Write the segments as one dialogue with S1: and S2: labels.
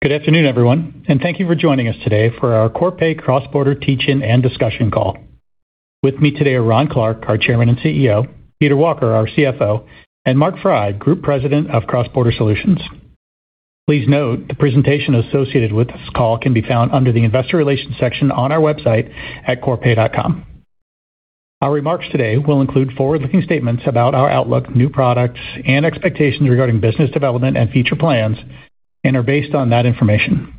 S1: Good afternoon, everyone, thank you for joining us today for our Corpay Cross-Border teach-in and discussion call. With me today are Ron Clarke, our Chairman and CEO, Peter Walker, our CFO, and Mark Frey, Group President of Cross-Border Solutions. Please note the presentation associated with this call can be found under the Investor Relations section on our website at corpay.com. Our remarks today will include forward-looking statements about our outlook, new products, and expectations regarding business development and future plans, and are based on that information.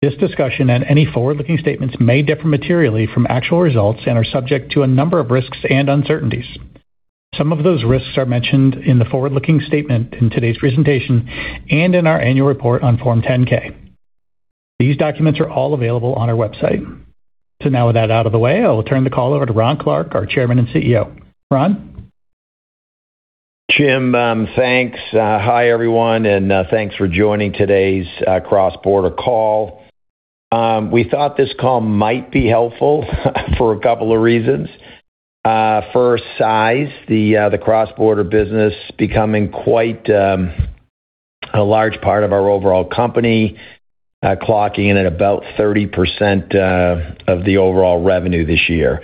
S1: This discussion and any forward-looking statements may differ materially from actual results and are subject to a number of risks and uncertainties. Some of those risks are mentioned in the forward-looking statement in today's presentation and in our annual report on Form 10-K. These documents are all available on our website. Now with that out of the way, I will turn the call over to Ron Clarke, our Chairman and CEO. Ron?
S2: Jim, thanks. Hi, everyone, thanks for joining today's cross-border call. We thought this call might be helpful for a couple of reasons. First, size. The cross-border business becoming quite a large part of our overall company, clocking in at about 30% of the overall revenue this year.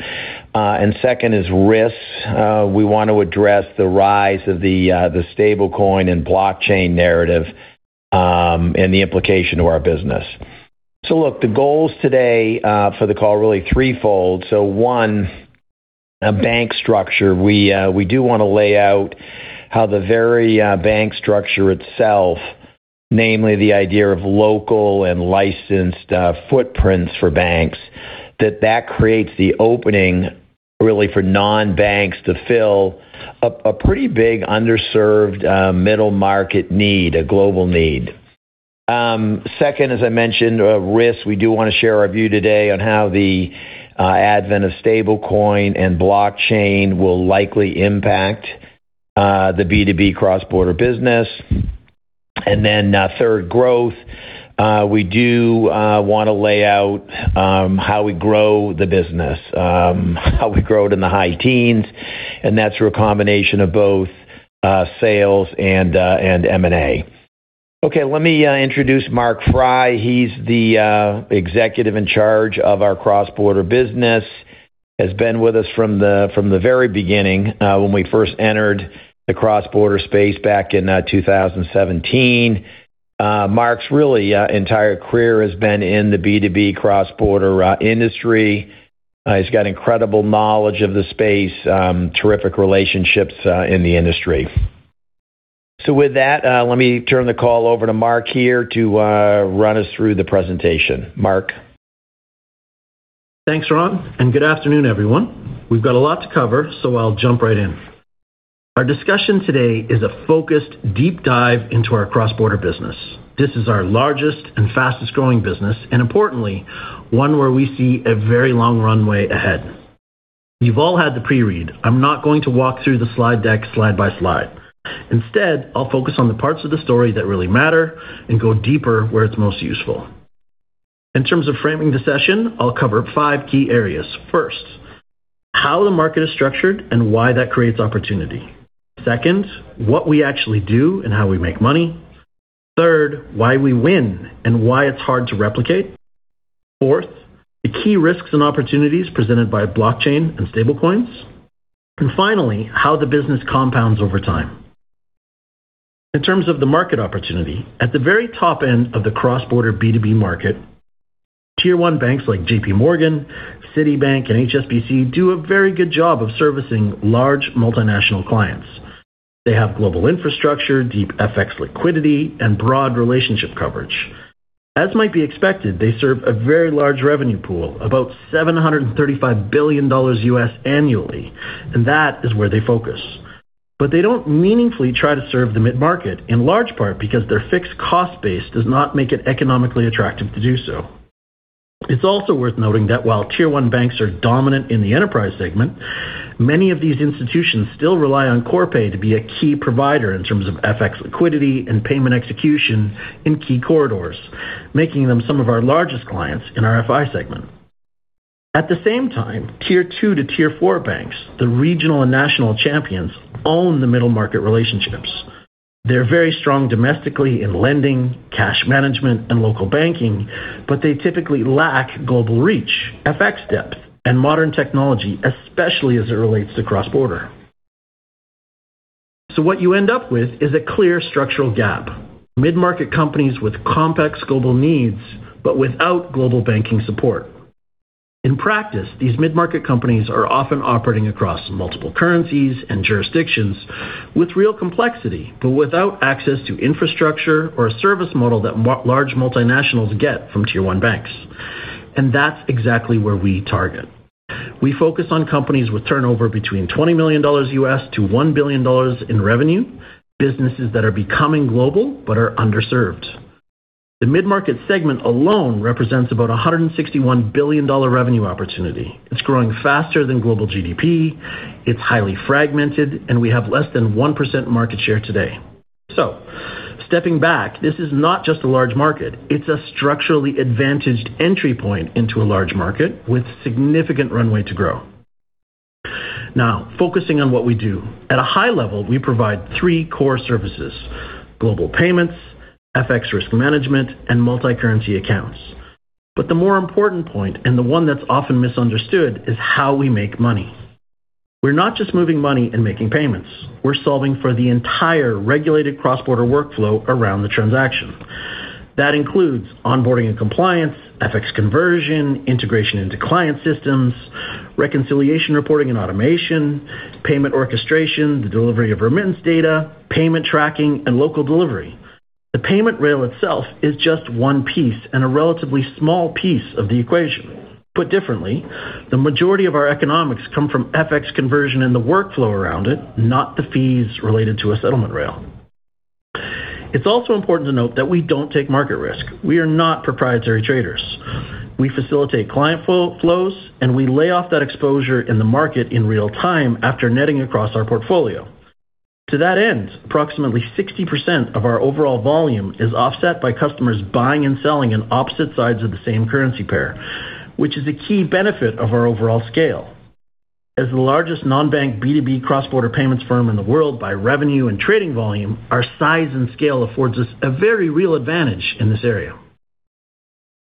S2: Second is risks. We want to address the rise of the stablecoin and blockchain narrative, the implication to our business. Look, the goals today for the call are really threefold. One, a bank structure. We do want to lay out how the very bank structure itself, namely the idea of local and licensed footprints for banks, that creates the opening really for non-banks to fill a pretty big underserved middle market need, a global need. Second, as I mentioned, risks. We do want to share our view today on how the advent of stablecoin and blockchain will likely impact the B2B cross-border business. Third, growth. We do want to lay out how we grow the business, how we grow it in the high teens, and that's through a combination of both sales and M&A. Let me introduce Mark Frey. He's the executive in charge of our cross-border business. Has been with us from the very beginning, when we first entered the cross-border space back in 2017. Mark's really entire career has been in the B2B cross-border industry. He's got incredible knowledge of the space, terrific relationships in the industry. With that, let me turn the call over to Mark here to run us through the presentation. Mark.
S3: Thanks, Ron, and good afternoon, everyone. We've got a lot to cover, so I'll jump right in. Our discussion today is a focused deep dive into our cross-border business. This is our largest and fastest-growing business, and importantly, one where we see a very long runway ahead. You've all had the pre-read. I'm not going to walk through the slide deck slide by slide. Instead, I'll focus on the parts of the story that really matter and go deeper where it's most useful. In terms of framing the session, I'll cover 5 key areas. First, how the market is structured and why that creates opportunity. Second, what we actually do and how we make money. Third, why we win and why it's hard to replicate. Fourth, the key risks and opportunities presented by blockchain and stablecoins. Finally, how the business compounds over time. In terms of the market opportunity, at the very top end of the cross-border B2B market, tier 1 banks like JPMorgan, Citibank, and HSBC do a very good job of servicing large multinational clients. They have global infrastructure, deep FX liquidity, and broad relationship coverage. As might be expected, they serve a very large revenue pool, about $735 billion annually, and that is where they focus. They don't meaningfully try to serve the mid-market, in large part because their fixed cost base does not make it economically attractive to do so. It's also worth noting that while tier 1 banks are dominant in the enterprise segment, many of these institutions still rely on Corpay to be a key provider in terms of FX liquidity and payment execution in key corridors, making them some of our largest clients in our FI segment. At the same time, tier 2 to tier 4 banks, the regional and national champions, own the middle market relationships. They're very strong domestically in lending, cash management, and local banking, but they typically lack global reach, FX depth, and modern technology, especially as it relates to cross-border. What you end up with is a clear structural gap. Mid-market companies with complex global needs, but without global banking support. In practice, these mid-market companies are often operating across multiple currencies and jurisdictions with real complexity, but without access to infrastructure or a surface model that large multinationals get from tier 1 banks. That's exactly where we target. We focus on companies with turnover between $20 million U.S.-$1 billion in revenue, businesses that are becoming global but are underserved. The mid-market segment alone represents about a $161 billion-dollar revenue opportunity. It's growing faster than global GDP, it's highly fragmented, and we have less than 1% market share today. Stepping back, this is not just a large market, it's a structurally advantaged entry point into a large market with significant runway to grow. Focusing on what we do. At a high level, we provide 3 core services: global payments, FX risk management, and multicurrency accounts. The more important point, and the one that's often misunderstood, is how we make money. We're not just moving money and making payments. We're solving for the entire regulated cross-border workflow around the transaction. That includes onboarding and compliance, FX conversion, integration into client systems, reconciliation reporting and automation, payment orchestration, the delivery of remittance data, payment tracking, and local delivery. The payment rail itself is just one piece and a relatively small piece of the equation. Put differently, the majority of our economics come from FX conversion in the workflow around it, not the fees related to a settlement rail. It's also important to note that we don't take market risk. We are not proprietary traders. We facilitate client flows, and we lay off that exposure in the market in real-time after netting across our portfolio. To that end, approximately 60% of our overall volume is offset by customers buying and selling in opposite sides of the same currency pair, which is a key benefit of our overall scale. As the largest non-bank B2B cross-border payments firm in the world by revenue and trading volume, our size and scale affords us a very real advantage in this area.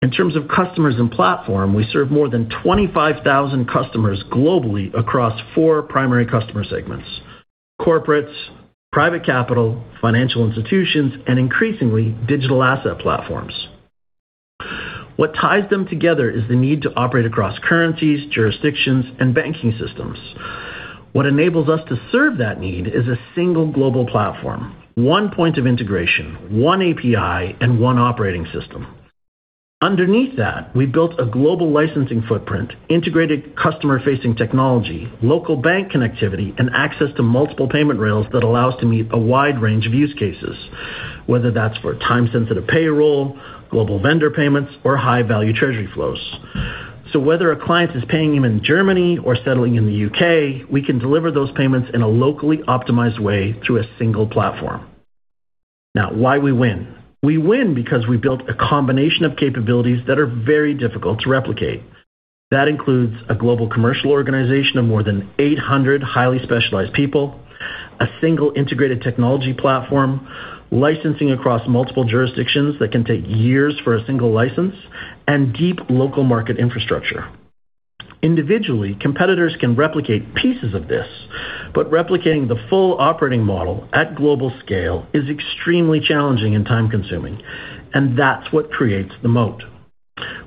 S3: In terms of customers and platform, we serve more than 25,000 customers globally across 4 primary customer segments: corporates, private capital, financial institutions, and increasingly digital asset platforms. What ties them together is the need to operate across currencies, jurisdictions, and banking systems. What enables us to serve that need is a single global platform, one point of integration, one API, and one operating system. Underneath that, we built a global licensing footprint, integrated customer-facing technology, local bank connectivity, and access to multiple payment rails that allow us to meet a wide range of use cases, whether that's for time-sensitive payroll, global vendor payments, or high-value treasury flows. Whether a client is paying in Germany or settling in the U.K., we can deliver those payments in a locally optimized way through a single platform. Why we win? We win because we built a combination of capabilities that are very difficult to replicate. That includes a global commercial organization of more than 800 highly specialized people, a single integrated technology platform, licensing across multiple jurisdictions that can take years for a single license, and deep local market infrastructure. Individually, competitors can replicate pieces of this, but replicating the full operating model at global scale is extremely challenging and time-consuming, and that's what creates the moat.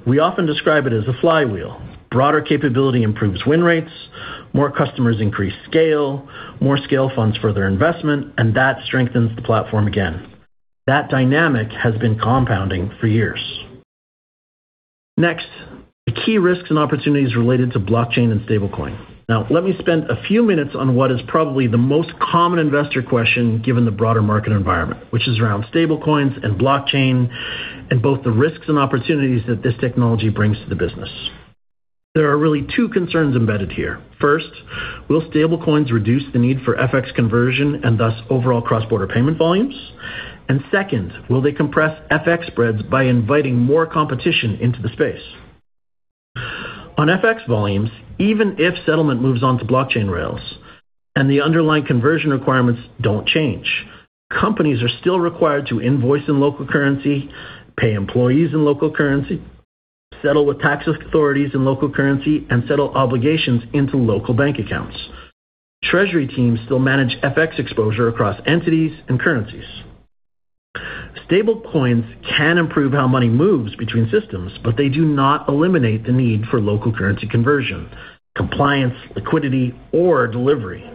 S3: We often describe it as a flywheel. Broader capability improves win rates, more customers increase scale, more scale funds further investment, and that strengthens the platform again. That dynamic has been compounding for years. Next, the key risks and opportunities related to blockchain and stablecoin. Now, let me spend a few minutes on what is probably the most common investor question given the broader market environment, which is around stablecoins and blockchain, and both the risks and opportunities that this technology brings to the business. There are really two concerns embedded here. First, will stablecoins reduce the need for FX conversion and thus overall cross-border payment volumes? Second, will they compress FX spreads by inviting more competition into the space? On FX volumes, even if settlement moves onto blockchain rails and the underlying conversion requirements don't change, companies are still required to invoice in local currency, pay employees in local currency, settle with tax authorities in local currency, and settle obligations into local bank accounts. Treasury teams still manage FX exposure across entities and currencies. Stablecoins can improve how money moves between systems, but they do not eliminate the need for local currency conversion, compliance, liquidity, or delivery.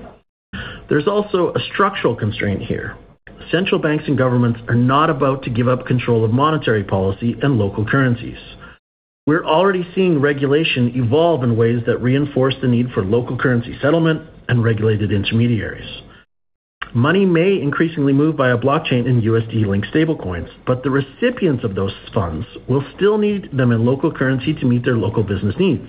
S3: There's also a structural constraint here. Central banks and governments are not about to give up control of monetary policy and local currencies. We're already seeing regulation evolve in ways that reinforce the need for local currency settlement and regulated intermediaries. Money may increasingly move via blockchain in USD-linked stablecoins, but the recipients of those funds will still need them in local currency to meet their local business needs.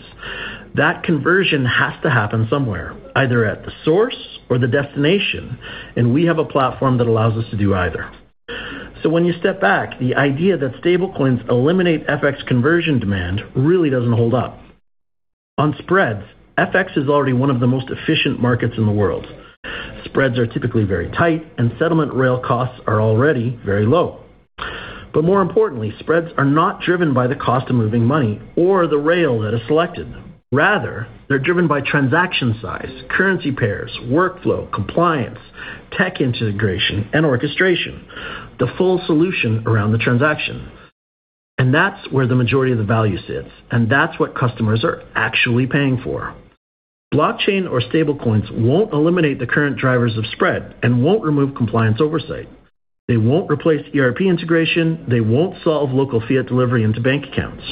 S3: That conversion has to happen somewhere, either at the source or the destination, and we have a platform that allows us to do either. When you step back, the idea that stablecoins eliminate FX conversion demand really doesn't hold up. On spreads, FX is already one of the most efficient markets in the world. Spreads are typically very tight, and settlement rail costs are already very low. More importantly, spreads are not driven by the cost of moving money or the rail that is selected. Rather, they're driven by transaction size, currency pairs, workflow, compliance, tech integration, and orchestration, the full solution around the transaction, and that's where the majority of the value sits, and that's what customers are actually paying for. Blockchain or stablecoins won't eliminate the current drivers of spread and won't remove compliance oversight. They won't replace ERP integration. They won't solve local fiat delivery into bank accounts.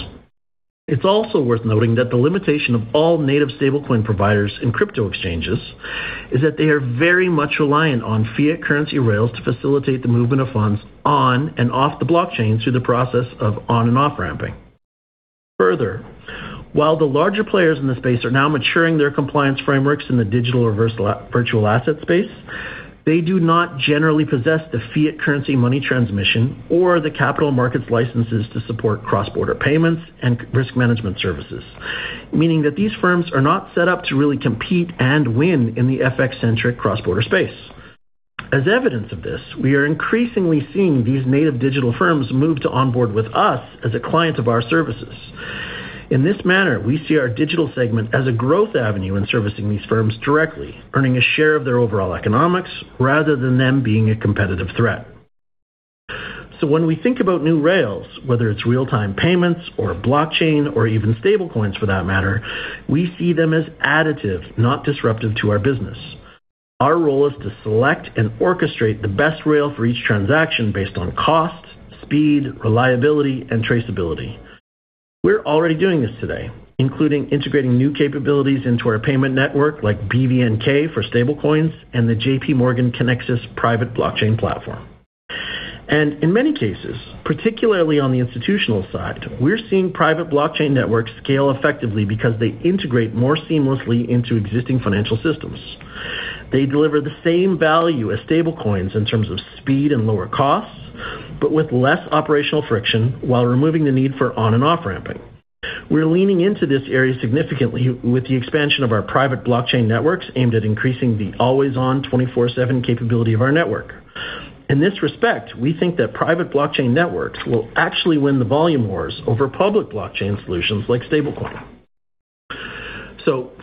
S3: It's also worth noting that the limitation of all native stablecoin providers in crypto exchanges is that they are very much reliant on fiat currency rails to facilitate the movement of funds on and off the blockchain through the process of on and off-ramping. Further, while the larger players in the space are now maturing their compliance frameworks in the digital or virtual asset space. They do not generally possess the fiat currency money transmission or the capital markets licenses to support cross-border payments and risk management services, meaning that these firms are not set up to really compete and win in the FX-centric cross-border space. As evidence of this, we are increasingly seeing these native digital firms move to onboard with us as a client of our services. In this manner, we see our digital segment as a growth avenue in servicing these firms directly, earning a share of their overall economics rather than them being a competitive threat. When we think about new rails, whether it's real-time payments or blockchain or even stablecoins for that matter, we see them as additive, not disruptive to our business. Our role is to select and orchestrate the best rail for each transaction based on cost, speed, reliability, and traceability. We're already doing this today, including integrating new capabilities into our payment network like BVNK for stablecoins and the JPMorgan Kinexys private blockchain platform. In many cases, particularly on the institutional side, we're seeing private blockchain networks scale effectively because they integrate more seamlessly into existing financial systems. They deliver the same value as stablecoins in terms of speed and lower costs, but with less operational friction while removing the need for on and off-ramping. We're leaning into this area significantly with the expansion of our private blockchain networks aimed at increasing the always-on 24/7 capability of our network. In this respect, we think that private blockchain networks will actually win the volume wars over public blockchain solutions like stablecoin.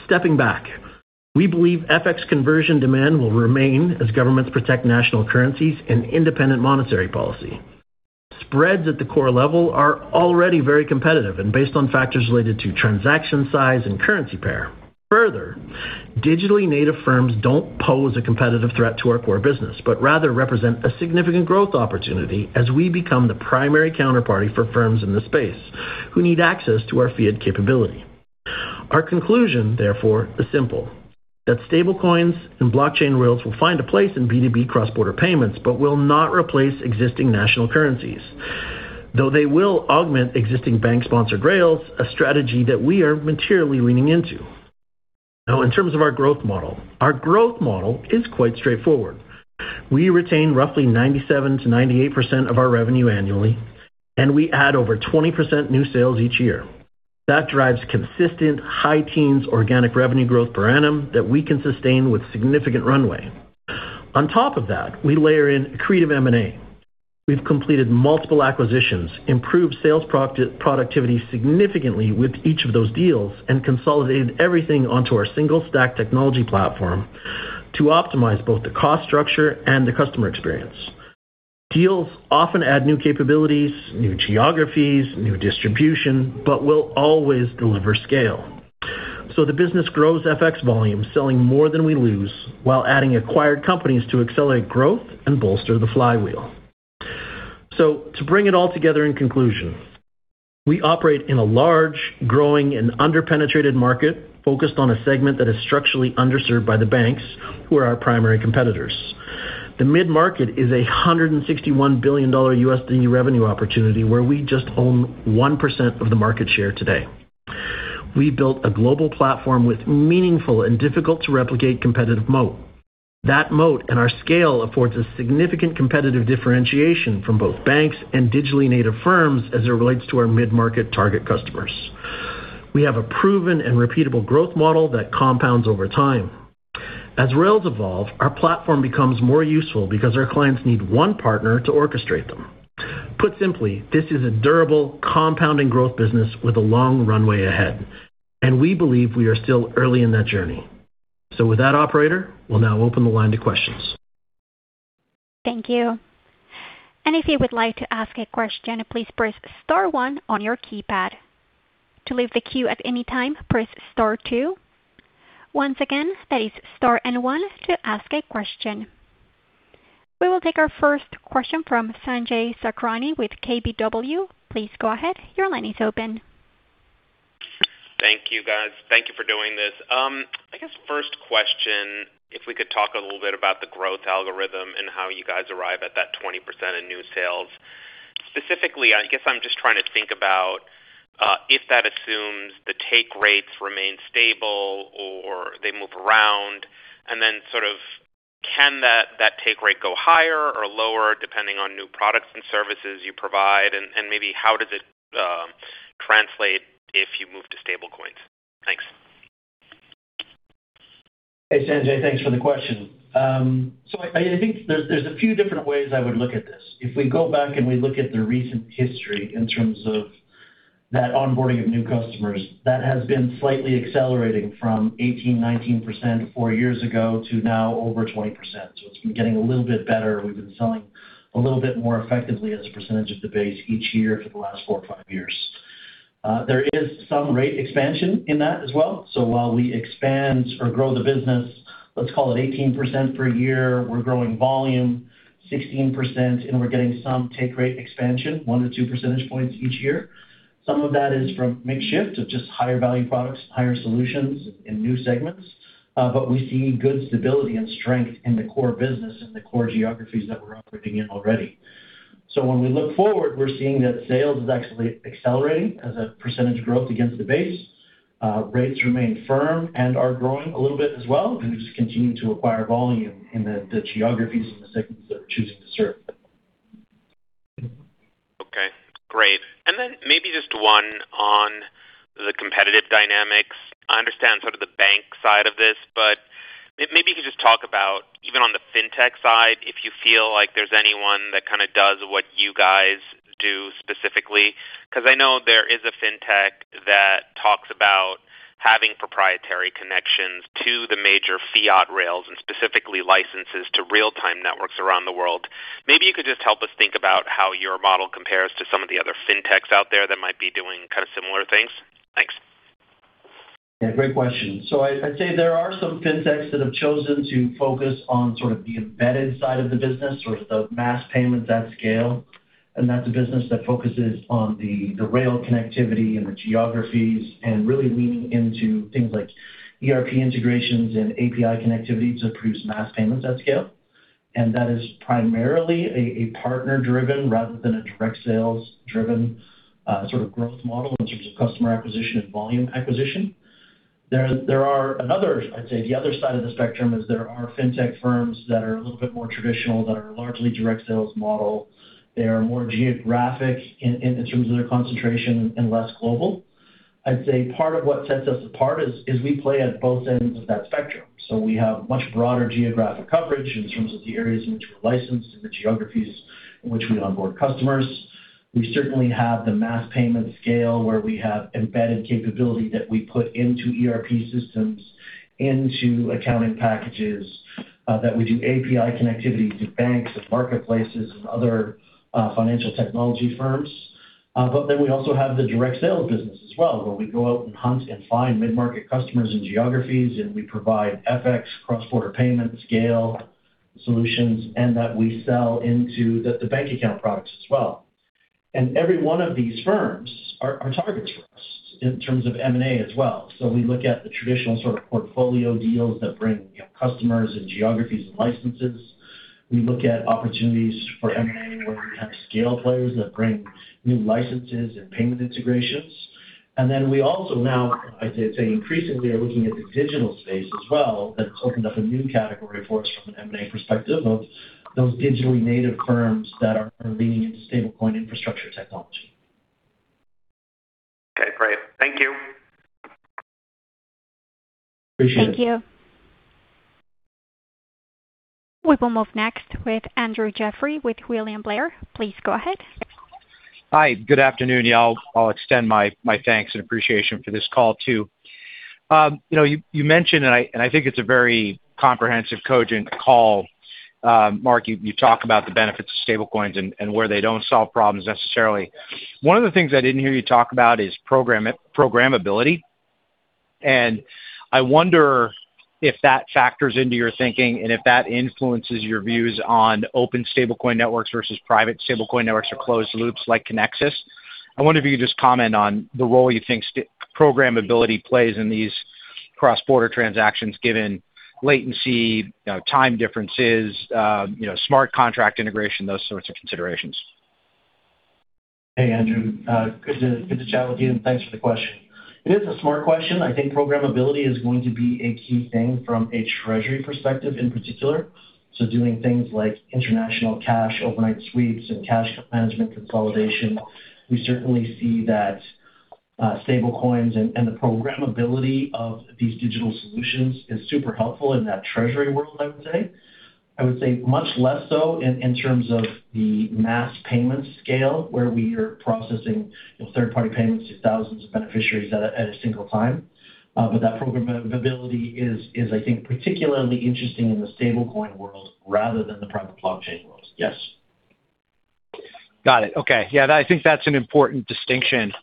S3: Stepping back, we believe FX conversion demand will remain as governments protect national currencies and independent monetary policy. Spreads at the core level are already very competitive and based on factors related to transaction size and currency pair. Further, digitally native firms don't pose a competitive threat to our core business, but rather represent a significant growth opportunity as we become the primary counterparty for firms in the space who need access to our fiat capability. Our conclusion, therefore, is simple, that stablecoins and blockchain rails will find a place in B2B cross-border payments but will not replace existing national currencies. Though they will augment existing bank-sponsored rails, a strategy that we are materially leaning into. Now, in terms of our growth model. Our growth model is quite straightforward. We retain roughly 97%-98% of our revenue annually. We add over 20% new sales each year. That drives consistent high teens organic revenue growth per annum that we can sustain with significant runway. On top of that, we layer in accretive M&A. We've completed multiple acquisitions, improved sales product, productivity significantly with each of those deals, and consolidated everything onto our single stack technology platform to optimize both the cost structure and the customer experience. Deals often add new capabilities, new geographies, new distribution, but will always deliver scale. The business grows FX volume, selling more than we lose, while adding acquired companies to accelerate growth and bolster the flywheel. To bring it all together in conclusion, we operate in a large, growing, and under-penetrated market focused on a segment that is structurally underserved by the banks who are our primary competitors. The mid-market is a $161 billion new revenue opportunity where we just own 1% of the market share today. We built a global platform with meaningful and difficult-to-replicate competitive moat. That moat and our scale affords a significant competitive differentiation from both banks and digitally native firms as it relates to our mid-market target customers. We have a proven and repeatable growth model that compounds over time. As rails evolve, our platform becomes more useful because our clients need one partner to orchestrate them. Put simply, this is a durable compounding growth business with a long runway ahead, and we believe we are still early in that journey. With that, operator, we'll now open the line to questions.
S4: Thank you. We will take our first question from Sanjay Sakhrani with KBW. Please go ahead. Your line is open.
S5: Thank you, guys. Thank you for doing this. I guess first question, if we could talk a little bit about the growth algorithm and how you guys arrive at that 20% in new sales. Specifically, I guess I'm just trying to think about if that assumes the take rates remain stable or they move around, then sort of can that take rate go higher or lower depending on new products and services you provide? Maybe how does it translate if you move to stablecoins? Thanks.
S3: Hey, Sanjay, thanks for the question. I think there's a few different ways I would look at this. If we go back and we look at the recent history in terms of that onboarding of new customers, that has been slightly accelerating from 18%-19% four years ago to now over 20%. It's been getting a little bit better. We've been selling a little bit more effectively as a percentage of the base each year for the last four or five years. There is some rate expansion in that as well. While we expand or grow the business, let's call it 18% per year, we're growing volume 16% and we're getting some take rate expansion, 1 to 2 percentage points each year. Some of that is from mix shift of just higher value products, higher solutions in new segments. We see good stability and strength in the core business and the core geographies that we're operating in already. When we look forward, we're seeing that sales is actually accelerating as a percentage growth against the base. Rates remain firm and are growing a little bit as well. We just continue to acquire volume in the geographies and the segments that we're choosing to serve.
S5: Okay, great. Maybe just one on the competitive dynamics. I understand sort of the bank side of this, but maybe you could just talk about even on the fintech side, if you feel like there's anyone that kinda does what you guys do specifically. 'Cause I know there is a fintech that talks about having proprietary connections to the major fiat rails, and specifically licenses to real-time networks around the world. Maybe you could just help us think about how your model compares to some of the other fintechs out there that might be doing kind of similar things. Thanks.
S3: Yeah, great question. I'd say there are some FinTechs that have chosen to focus on sort of the embedded side of the business or the mass payments at scale, and that's a business that focuses on the rail connectivity and the geographies, and really leaning into things like ERP integrations and API connectivity to produce mass payments at scale. That is primarily a partner-driven rather than a direct sales-driven sort of growth model in terms of customer acquisition and volume acquisition. I'd say the other side of the spectrum is there are FinTech firms that are a little bit more traditional, that are largely direct sales model. They are more geographic in terms of their concentration and less global. I'd say part of what sets us apart is we play at both ends of that spectrum. We have much broader geographic coverage in terms of the areas in which we're licensed and the geographies in which we onboard customers. We certainly have the mass payment scale, where we have embedded capability that we put into ERP systems, into accounting packages, that we do API connectivity to banks and marketplaces and other financial technology firms. We also have the direct sales business as well, where we go out and hunt and find mid-market customers and geographies, and we provide FX, cross-border payment scale solutions, and that we sell into the bank account products as well. Every one of these firms are targets for us in terms of M&A as well. We look at the traditional sort of portfolio deals that bring, you know, customers and geographies and licenses. We look at opportunities for M&A, where we have scale players that bring new licenses and payment integrations. We also now, I'd say, increasingly are looking at the digital space as well. That's opened up a new category for us from an M&A perspective of those digitally native firms that are leaning into stablecoin infrastructure technology.
S5: Okay, great. Thank you.
S3: Appreciate it.
S4: Thank you. We will move next with Andrew Jeffrey with William Blair. Please go ahead.
S6: Hi, good afternoon. Yeah, I'll extend my thanks and appreciation for this call too. You know, you mentioned, and I think it's a very comprehensive, cogent call, Mark, you talk about the benefits of stablecoins and where they don't solve problems necessarily. One of the things I didn't hear you talk about is programmability, and I wonder if that factors into your thinking and if that influences your views on open stablecoin networks versus private stablecoin networks or closed loops like Kinexys. I wonder if you could just comment on the role you think programmability plays in these cross-border transactions, given latency, you know, time differences, you know, smart contract integration, those sorts of considerations.
S3: Hey, Andrew, good to chat with you, thanks for the question. It is a smart question. I think programmability is going to be a key thing from a treasury perspective in particular, so doing things like international cash, overnight sweeps and cash management consolidation. We certainly see that stablecoins and the programmability of these digital solutions is super helpful in that treasury world, I would say. I would say much less so in terms of the mass payments scale, where we are processing, you know, third-party payments to thousands of beneficiaries at a single time. That programmability is I think particularly interesting in the stablecoin world rather than the private blockchain world. Yes.
S6: Got it. Okay. Yeah, I think that's an important distinction.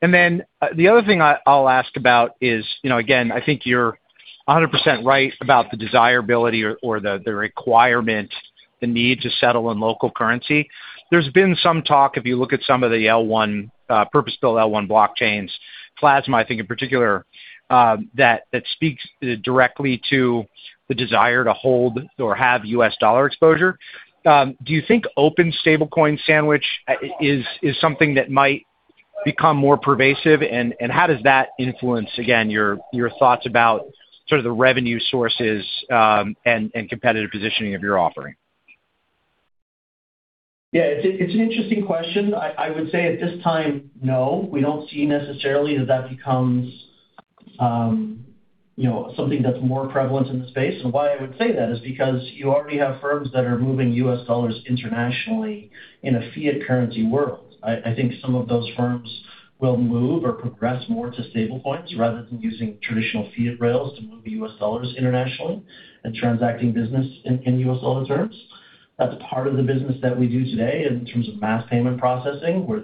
S6: The other thing I'll ask about is, you know, again, I think you're 100% right about the desirability or the requirement, the need to settle in local currency. There's been some talk, if you look at some of the L1 purpose-built L1 blockchains, Plasma, I think in particular, that speaks directly to the desire to hold or have U.S. dollar exposure. Do you think open stablecoin sandwich is something that might become more pervasive? And how does that influence, again, your thoughts about sort of the revenue sources, and competitive positioning of your offering?
S3: It's an interesting question. I would say at this time, no. We don't see necessarily that that becomes, you know, something that's more prevalent in the space. Why I would say that is because you already have firms that are moving U.S. dollars internationally in a fiat currency world. I think some of those firms will move or progress more to stablecoins rather than using traditional fiat rails to move U.S. dollars internationally and transacting business in U.S. dollar terms. That's part of the business that we do today in terms of mass payment processing, where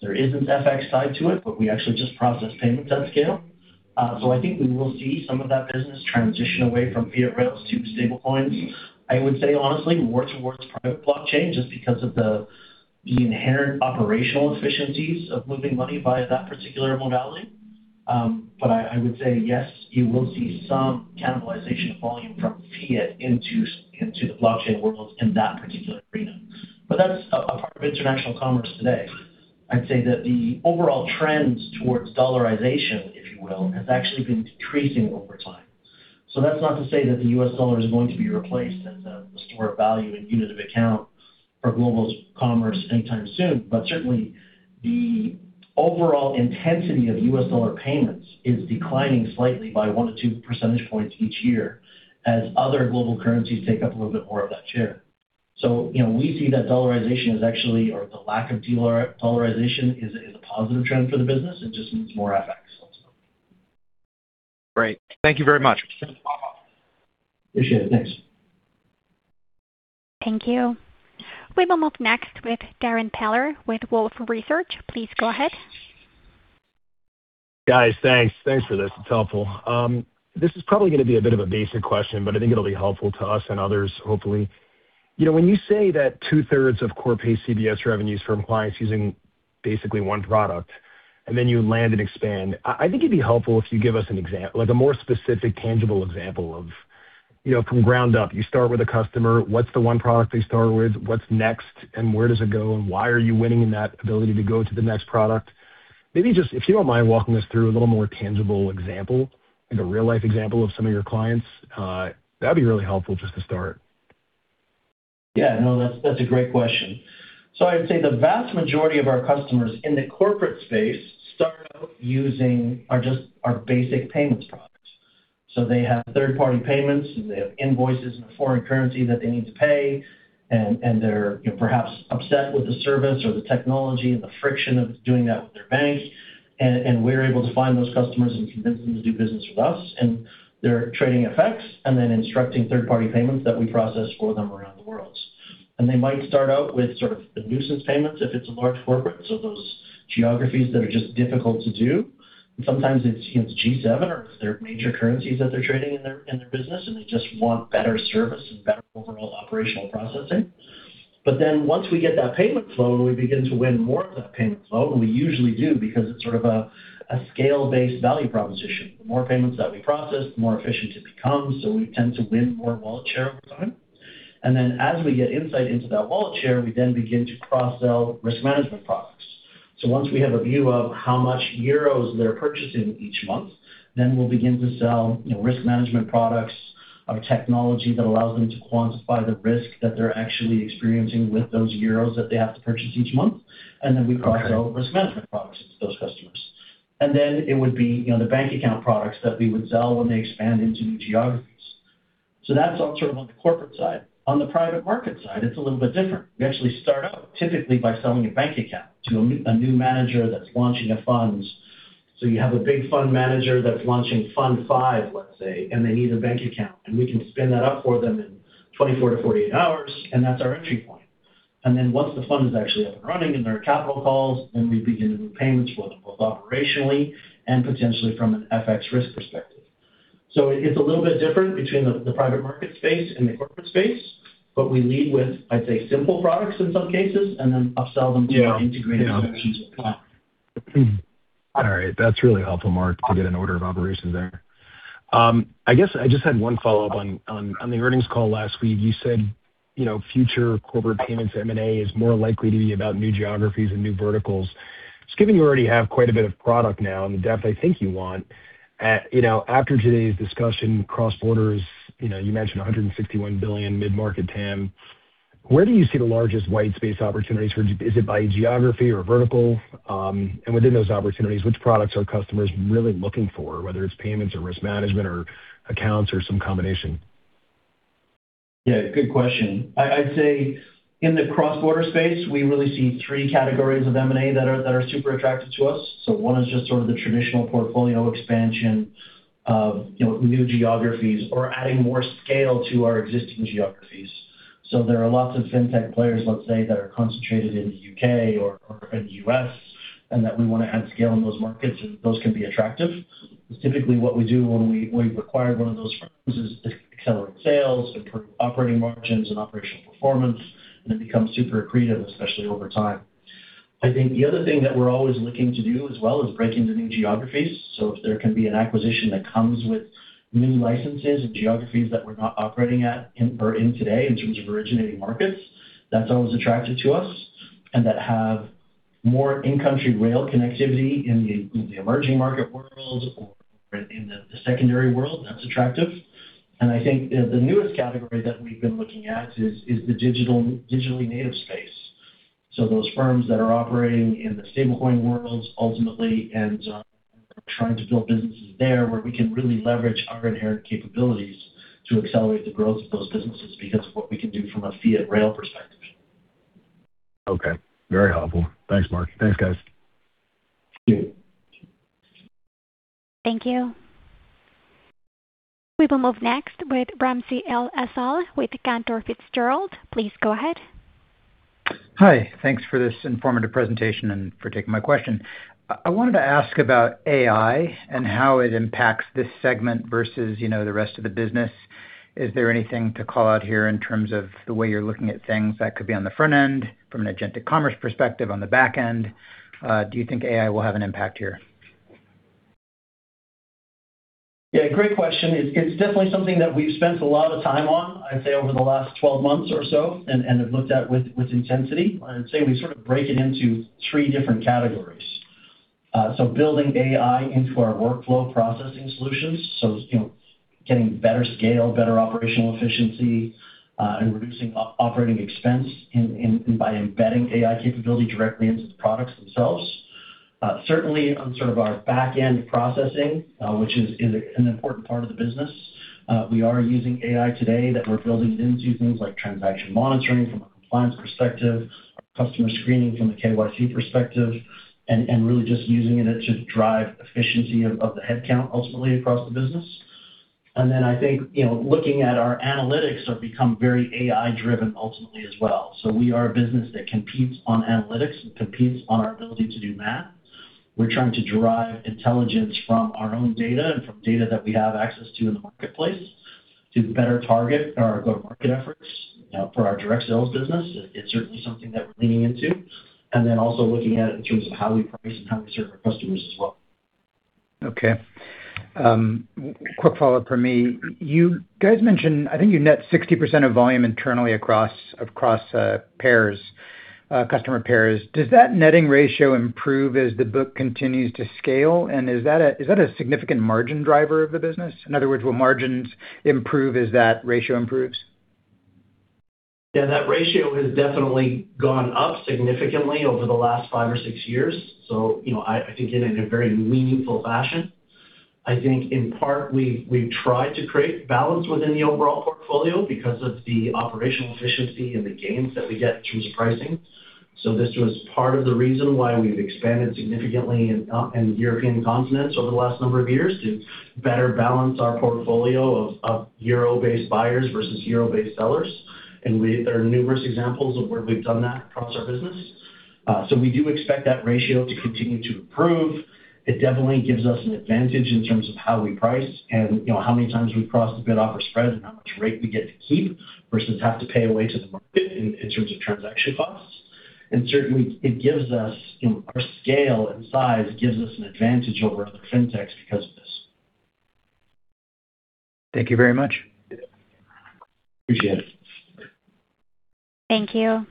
S3: there isn't FX side to it, but we actually just process payments at scale. I think we will see some of that business transition away from fiat rails to stablecoins. I would say honestly, more towards private blockchain just because of the inherent operational efficiencies of moving money via that particular modality. I would say yes, you will see some cannibalization of volume from fiat into the blockchain world in that particular arena. That's a part of international commerce today. I'd say that the overall trends towards dollarization, if you will, has actually been decreasing over time. That's not to say that the U.S. dollar is going to be replaced as a store of value and unit of account for global commerce anytime soon. Certainly the overall intensity of U.S. dollar payments is declining slightly by 1 to 2 percentage points each year as other global currencies take up a little bit more of that share. you know, we see that dollarization is actually, or the lack of dollarization is a positive trend for the business. It just needs more FX also.
S6: Great. Thank you very much.
S3: Appreciate it. Thanks.
S4: Thank you. We will move next with Darrin Peller with Wolfe Research. Please go ahead.
S7: Guys, thanks. Thanks for this. It's helpful. This is probably gonna be a bit of a basic question, but I think it'll be helpful to us and others, hopefully. You know, when you say that two-thirds of Corpay CBS revenues from clients using basically one product and then you land and expand, I think it'd be helpful if you give us a more specific tangible example of, you know, from ground up, you start with a customer, what's the one product they start with? What's next, and where does it go, and why are you winning in that ability to go to the next product? Maybe just if you don't mind walking us through a little more tangible example, like a real-life example of some of your clients, that'd be really helpful just to start.
S3: Yeah, no, that's a great question. I'd say the vast majority of our customers in the corporate space start out using our just our basic payments products. They have third-party payments, and they have invoices in a foreign currency that they need to pay. They're, you know, perhaps upset with the service or the technology and the friction of doing that with their bank. We're able to find those customers and convince them to do business with us. They're trading FX and then instructing third-party payments that we process for them around the world. They might start out with sort of the nuisance payments if it's a large corporate. Those geographies that are just difficult to do. Sometimes it's, you know, it's G7 or their major currencies that they're trading in their, in their business, and they just want better service and better overall operational processing. Once we get that payment flow, and we begin to win more of that payment flow, and we usually do because it's sort of a scale-based value proposition. The more payments that we process, the more efficient it becomes, so we tend to win more wallet share over time. As we get insight into that wallet share, we then begin to cross-sell risk management products. Once we have a view of how much euros they're purchasing each month, then we'll begin to sell, you know, risk management products. Our technology that allows them to quantify the risk that they're actually experiencing with those euros that they have to purchase each month. We cross-sell risk management products to those customers. It would be, you know, the bank account products that we would sell when they expand into new geographies. That's all sort of on the corporate side. On the private markets side, it's a little bit different. We actually start out typically by selling a bank account to a new manager that's launching a fund. You have a big fund manager that's launching fund five, let's say, and they need a bank account. We can spin that up for them in 24 -48 hours, and that's our entry point. Once the fund is actually up and running in their capital calls, then we begin to do payments for them, both operationally and potentially from an FX risk perspective. It's a little bit different between the private market space and the corporate space, but we lead with, I'd say, simple products in some cases and then upsell them to our integrated solutions platform.
S7: All right. That's really helpful, Mark, to get an order of operations there. I guess I just had one follow-up. On the earnings call last week, you said, you know, future corporate payments M&A is more likely to be about new geographies and new verticals. Just given you already have quite a bit of product now and the depth I think you want, you know, after today's discussion, cross-border is, you know, you mentioned a $161 billion mid-market TAM. Where do you see the largest white space opportunities? Is it by geography or vertical? Within those opportunities, which products are customers really looking for, whether it's payments or risk management or accounts or some combination?
S3: Yeah, good question. I'd say in the cross-border space, we really see three categories of M&A that are super attractive to us. One is just sort of the traditional portfolio expansion of, you know, new geographies or adding more scale to our existing geographies. There are lots of fintech players, let's say, that are concentrated in the U.K. or in the U.S., and that we wanna add scale in those markets, and those can be attractive. Typically what we do when we acquire one of those firms is to accelerate sales, improve operating margins and operational performance, and it becomes super accretive, especially over time. I think the other thing that we're always looking to do as well is break into new geographies. If there can be an acquisition that comes with new licenses and geographies that we're not operating in today in terms of originating markets, that's always attractive to us, and that have more in-country rail connectivity in the emerging market world or in the secondary world, that's attractive. I think the newest category that we've been looking at is the digitally native space. Those firms that are operating in the stablecoin worlds ultimately and trying to build businesses there where we can really leverage our inherent capabilities to accelerate the growth of those businesses because of what we can do from a fiat rail perspective.
S7: Okay. Very helpful. Thanks, Mark. Thanks, guys.
S3: Thank you.
S4: Thank you. We will move next with Ramsey El-Assal with Cantor Fitzgerald. Please go ahead.
S8: Hi. Thanks for this informative presentation and for taking my question. I wanted to ask about AI and how it impacts this segment versus, you know, the rest of the business. Is there anything to call out here in terms of the way you're looking at things that could be on the front end from an agentic commerce perspective on the back end? Do you think AI will have an impact here?
S3: Yeah, great question. It's definitely something that we've spent a lot of time on, I'd say, over the last 12 months or so, and have looked at with intensity. Building AI into our workflow processing solutions. You know, getting better scale, better operational efficiency, and reducing operating expense in by embedding AI capability directly into the products themselves. Certainly on sort of our back-end processing, which is an important part of the business. We are using AI today that we're building into things like transaction monitoring from a compliance perspective, customer screening from a KYC perspective, and really just using it to drive efficiency of the head count ultimately across the business. I think, you know, looking at our analytics have become very AI-driven ultimately as well. We are a business that competes on analytics and competes on our ability to do math. We're trying to derive intelligence from our own data and from data that we have access to in the marketplace to better target our go-to-market efforts for our direct sales business. It's certainly something that we're leaning into. Also looking at it in terms of how we price and how we serve our customers as well.
S8: Okay. Quick follow-up from me. You guys mentioned, I think you net 60% of volume internally across pairs, customer pairs. Does that netting ratio improve as the book continues to scale? Is that a significant margin driver of the business? In other words, will margins improve as that ratio improves?
S3: Yeah, that ratio has definitely gone up significantly over the last five or six years, you know, I think in a very meaningful fashion. I think in part, we've tried to create balance within the overall portfolio because of the operational efficiency and the gains that we get in terms of pricing. This was part of the reason why we've expanded significantly in European continents over the last number of years to better balance our portfolio of Euro-based buyers versus Euro-based sellers. There are numerous examples of where we've done that across our business. We do expect that ratio to continue to improve. It definitely gives us an advantage in terms of how we price and, you know, how many times we cross the bid-offer spread and how much rate we get to keep versus have to pay away to the market in terms of transaction costs. Certainly, it gives us, you know, our scale and size gives us an advantage over other Fintechs because of this.
S8: Thank you very much.
S3: Appreciate it.
S4: Thank you.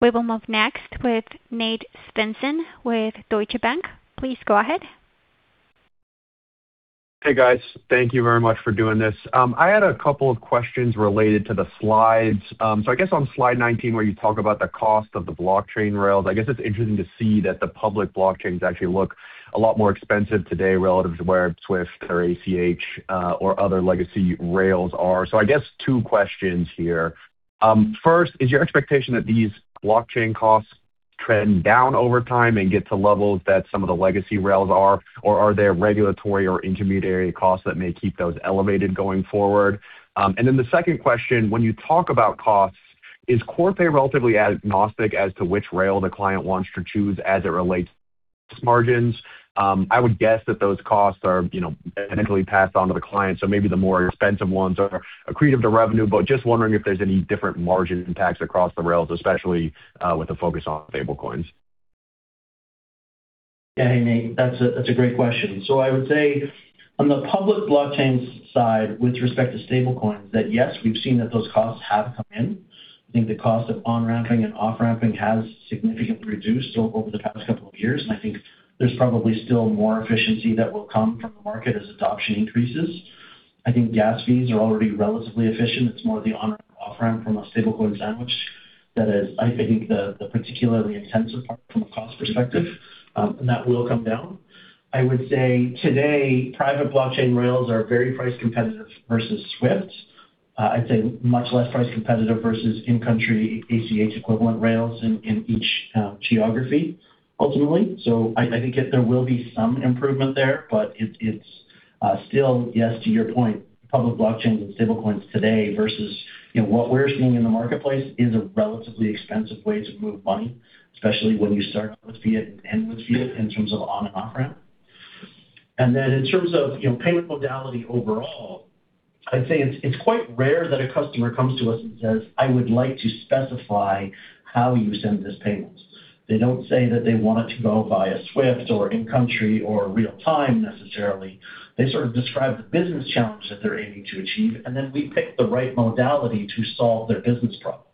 S4: We will move next with Nate Svensson with Deutsche Bank. Please go ahead.
S9: Hey, guys. Thank you very much for doing this. I had a couple of questions related to the slides. I guess on slide 19 where you talk about the cost of the blockchain rails, I guess it's interesting to see that the public blockchains actually look a lot more expensive today relative to where Swift or ACH or other legacy rails are. I guess two questions here. First, is your expectation that these blockchain costs trend down over time and get to levels that some of the legacy rails are, or are there regulatory or intermediary costs that may keep those elevated going forward? Then the second question, when you talk about costs, is Corpay relatively agnostic as to which rail the client wants to choose as it relates to margins? I would guess that those costs are, you know, eventually passed on to the client, so maybe the more expensive ones are accretive to revenue. Just wondering if there's any different margin impacts across the rails, especially with the focus on stablecoins.
S3: Yeah. Hey, Nate. That's a great question. I would say on the public blockchain side, with respect to stablecoins, that yes, we've seen that those costs have come in. I think the cost of on-ramping and off-ramping has significantly reduced over the past couple of years. I think there's probably still more efficiency that will come from the market as adoption increases. I think gas fees are already relatively efficient. It's more the on- or off-ramp from a stablecoin sandwich that is, I think, the particularly intensive part from a cost perspective, that will come down. I would say today, private blockchain rails are very price competitive versus Swift. I'd say much less price competitive versus in-country ACH equivalent rails in each geography ultimately. I think there will be some improvement there, but it's still, yes, to your point, public blockchains and stablecoins today versus, you know, what we're seeing in the marketplace is a relatively expensive way to move money, especially when you start with fiat and with fiat in terms of on and off-ramp. Then in terms of, you know, payment modality overall, I'd say it's quite rare that a customer comes to us and says, "I would like to specify how you send this payment." They don't say that they want it to go via Swift or in-country or real-time necessarily. They sort of describe the business challenge that they're aiming to achieve, and then we pick the right modality to solve their business problem.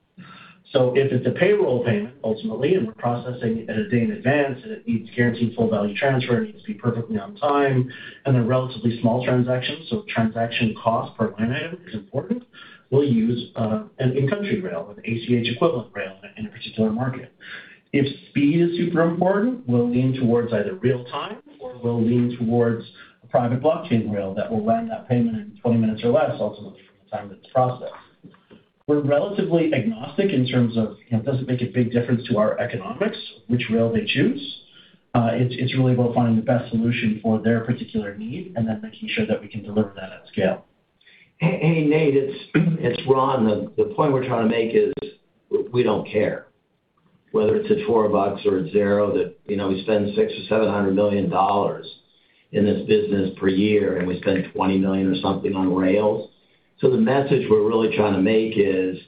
S3: If it's a payroll payment ultimately, and we're processing it one day in advance, and it needs guaranteed full value transfer, it needs to be perfectly on time, and they're relatively small transactions, so transaction cost per line item is important, we'll use an in-country rail with ACH equivalent rail in a particular market. If speed is super important, we'll lean towards either real time or we'll lean towards a private blockchain rail that will land that payment in 20 minutes or less ultimately from the time that it's processed. We're relatively agnostic in terms of, you know, it doesn't make a big difference to our economics which rail they choose. It's, it's really about finding the best solution for their particular need and then making sure that we can deliver that at scale.
S2: Hey, Nate, it's Ron. The point we're trying to make is we don't care whether it's at $4 or at 0 that, you know, we spend $600 million or $700 million in this business per year, and we spend $20 million or something on rails. The message we're really trying to make is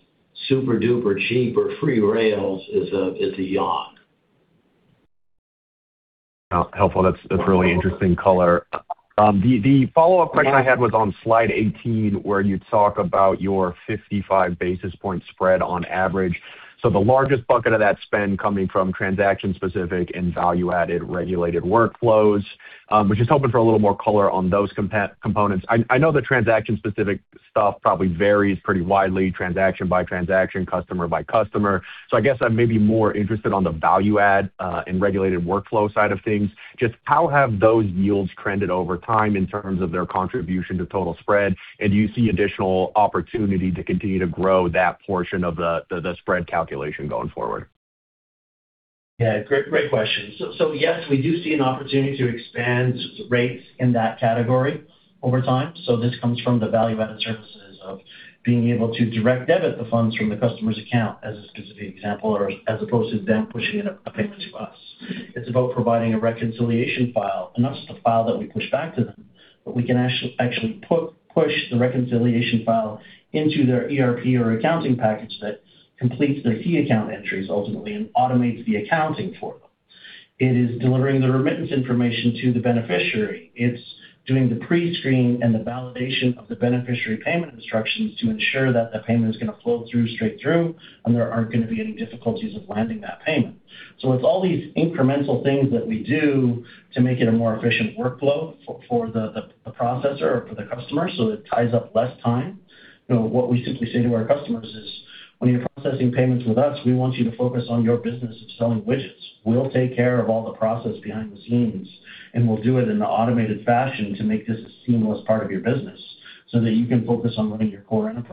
S2: super-duper cheap or free rails is a yawn.
S9: Helpful. That's really interesting color. The follow-up question I had was on slide 18 where you talk about your 55 basis point spread on average. The largest bucket of that spend coming from transaction-specific and value-added regulated workflows. Was just hoping for a little more color on those components. I know the transaction-specific stuff probably varies pretty widely transaction by transaction, customer by customer. I guess I'm maybe more interested on the value add and regulated workflow side of things. Just how have those yields trended over time in terms of their contribution to total spread? Do you see additional opportunity to continue to grow that portion of the spread calculation going forward?
S3: Yeah, great question. Yes, we do see an opportunity to expand rates in that category over time. This comes from the value-added services of being able to direct debit the funds from the customer's account as a specific example or as opposed to them pushing a payment to us. It's about providing a reconciliation file, and not just a file that we push back to them, but we can actually push the reconciliation file into their ERP or accounting package that completes their T account entries ultimately and automates the accounting for them. It is delivering the remittance information to the beneficiary. It's doing the pre-screen and the validation of the beneficiary payment instructions to ensure that the payment is gonna flow through straight through, and there aren't gonna be any difficulties of landing that payment. It's all these incremental things that we do to make it a more efficient workflow for the processor or for the customer so it ties up less time. You know, what we simply say to our customers is, "When you're processing payments with us, we want you to focus on your business of selling widgets. We'll take care of all the process behind the scenes, and we'll do it in an automated fashion to make this a seamless part of your business so that you can focus on running your core enterprise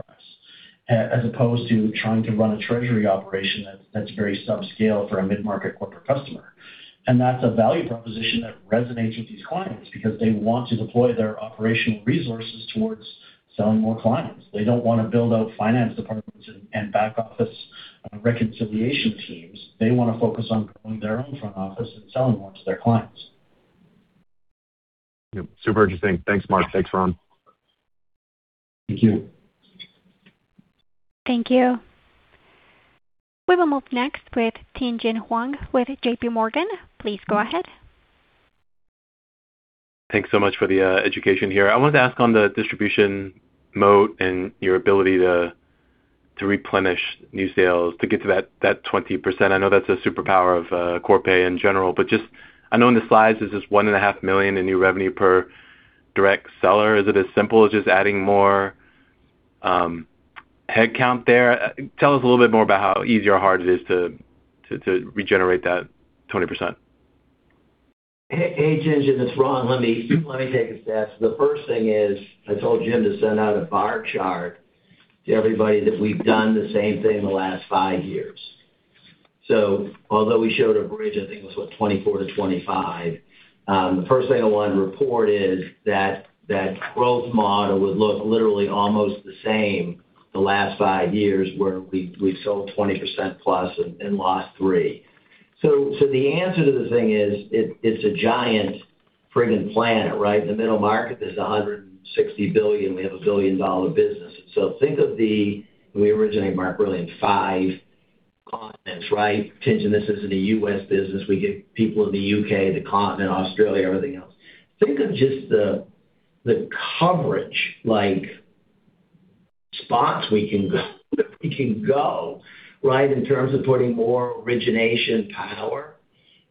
S3: as opposed to trying to run a treasury operation that's very subscale for a mid-market corporate customer." That's a value proposition that resonates with these clients because they want to deploy their operational resources towards selling more clients. They don't want to build out finance departments and back office reconciliation teams. They want to focus on growing their own front office and selling more to their clients.
S9: Yep. Super interesting. Thanks, Mark. Thanks, Ron.
S3: Thank you.
S4: Thank you. We will move next with Tien-Tsin Huang with JPMorgan. Please go ahead.
S10: Thanks so much for the education here. I wanted to ask on the distribution moat and your ability to replenish new sales to get to that 20%. I know that's a superpower of Corpay in general, but just I know in the slides, this is one and a half million in new revenue per direct seller. Is it as simple as just adding more headcount there? Tell us a little bit more about how easy or hard it is to regenerate that 20%.
S2: Hey, Tien-Tsin. It's Ron. Let me take a stab. The first thing is I told Jim to send out a bar chart to everybody that we've done the same thing the last five years. Although we showed a bridge, I think it was, what, 24-25, the first thing I want to report is that that growth model would look literally almost the same the last five years where we sold 20%+ and lost three. The answer to the thing is it's a giant frigging planet, right? The middle market is $160 billion. We have a billion-dollar business. Think of the we originate, Mark, really in five continents, right? Tien-Tsin, this isn't a U.S. business. We get people in the U.K., the continent, Australia, everything else. Think of just the coverage, like spots we can go, right, in terms of putting more origination power,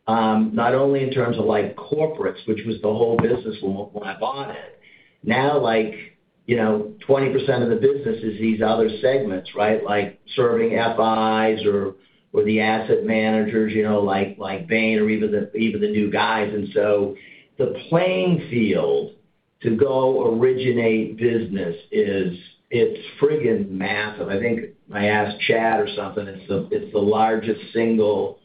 S2: not only in terms of like corporates, which was the whole business when I bought it. Now, like, you know, 20% of the business is these other segments, right? Like serving FIs or the asset managers, you know, like Bain or even the new guys. The playing field to go originate business is it's frigging massive. I think I asked Chad or something. It's the largest single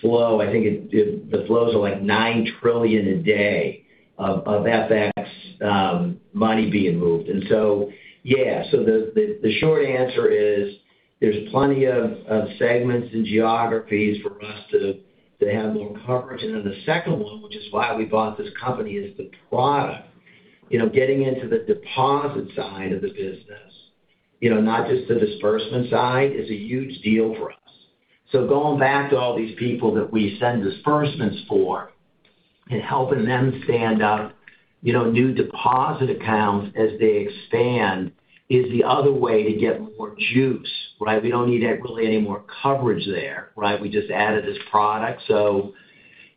S2: flow. I think it the flows are like $9 trillion a day of FX money being moved. Yeah. The short answer is there's plenty of segments and geographies for us to have more coverage. The second one, which is why we bought this company, is the product. You know, getting into the deposit side of the business, you know, not just the disbursement side, is a huge deal for us. Going back to all these people that we send disbursements for and helping them stand up, you know, new deposit accounts as they expand is the other way to get more juice, right? We don't need really any more coverage there, right? We just added this product.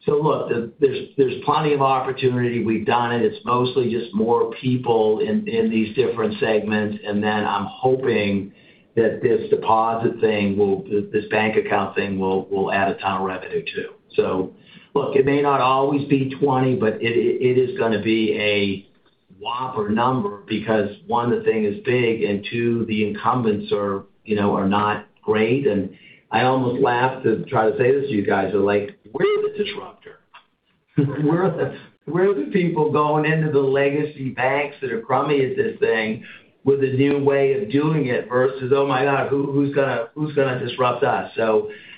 S2: Look, there's plenty of opportunity. We've done it. It's mostly just more people in these different segments. I'm hoping that this deposit thing, this bank account thing will add a ton of revenue too. Look, it may not always be 20, but it's gonna be a whopper number because, one, the thing is big, and two, the incumbents are, you know, are not great. I almost laugh to try to say this to you guys are like, "We're the disruptor." We're the people going into the legacy banks that are crummy at this thing with a new way of doing it versus, "Oh my God, who's gonna, who's gonna disrupt us."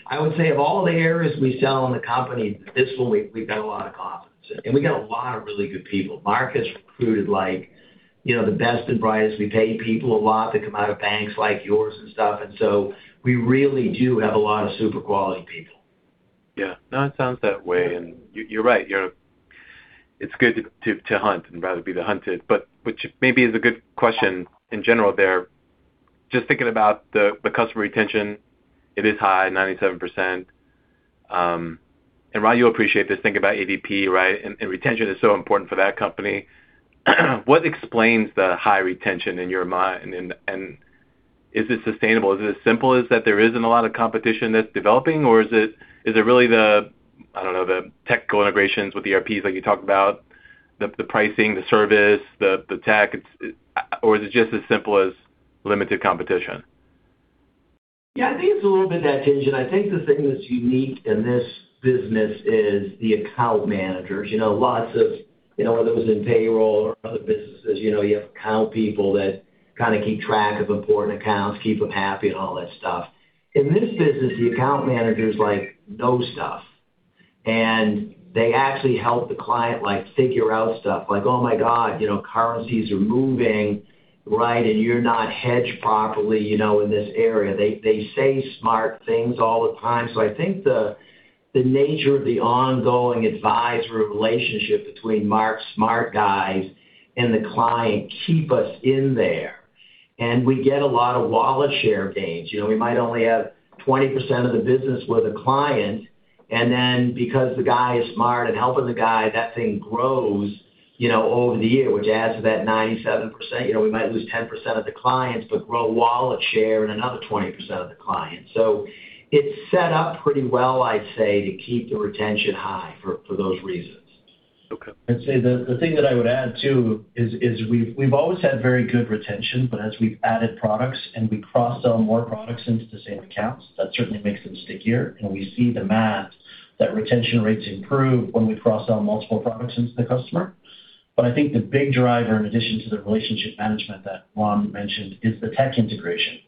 S2: I would say of all the areas we sell in the company, this one we've got a lot of confidence in. We got a lot of really good people. Mark has recruited like, you know, the best and brightest. We pay people a lot to come out of banks like yours and stuff. We really do have a lot of super quality people.
S10: Yeah. No, it sounds that way. You're right. It's good to hunt and rather be the hunted. Which maybe is a good question in general there. Just thinking about the customer retention, it is high, 97%. Ron, you appreciate this. Think about ADP, right? Retention is so important for that company. What explains the high retention in your mind? Is it sustainable? Is it as simple as that there isn't a lot of competition that's developing? Is it really the, I don't know, the technical integrations with ERPs like you talked about, the pricing, the service, the tech? Or is it just as simple as limited competition?
S2: Yeah. I think it's a little bit of that tension. I think the thing that's unique in this business is the account managers. You know, lots of, you know, those in payroll or other businesses, you know, you have account people that kinda keep track of important accounts, keep them happy and all that stuff. In this business, the account manager's like know stuff, and they actually help the client, like, figure out stuff. Like, "Oh my God, you know, currencies are moving, right, and you're not hedged properly, you know, in this area." They say smart things all the time. I think the nature of the ongoing advisory relationship between Mark's smart guys and the client keep us in there. We get a lot of wallet share gains. You know, we might only have 20% of the business with a client, and then because the guy is smart and helping the guy, that thing grows, you know, over the year, which adds to that 97%. You know, we might lose 10% of the clients, but grow wallet share in another 20% of the clients. It's set up pretty well, I'd say, to keep the retention high for those reasons.
S10: Okay.
S3: I'd say the thing that I would add too is we've always had very good retention, but as we've added products and we cross-sell more products into the same accounts, that certainly makes them stickier. We see the math that retention rates improve when we cross-sell multiple products into the customer. I think the big driver, in addition to the relationship management that Ron Clarke mentioned, is the tech integration.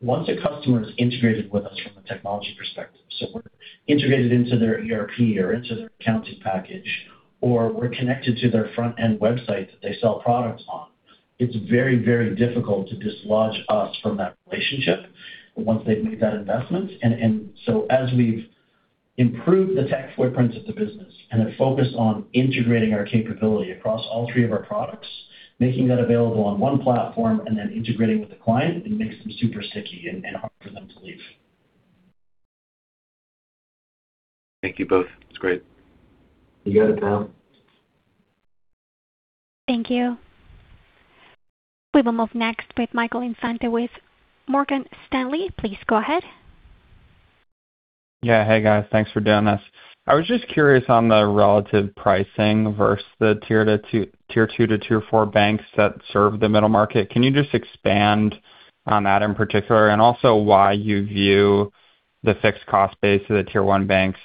S3: Once a customer is integrated with us from a technology perspective, so we're integrated into their ERP or into their accounting package, or we're connected to their front-end website that they sell products on, it's very, very difficult to dislodge us from that relationship once they've made that investment. As we've improved the tech footprint of the business and have focused on integrating our capability across all three of our products, making that available on one platform and then integrating with the client, it makes them super sticky and hard for them to leave.
S10: Thank you both. That's great.
S2: You got it, pal.
S4: Thank you. We will move next with Michael Infante with Morgan Stanley. Please go ahead.
S11: Yeah. Hey, guys. Thanks for doing this. I was just curious on the relative pricing versus the tier 2 to tier 4 banks that serve the middle market. Can you just expand on that in particular? Also why you view the fixed cost base of the tier 1 banks,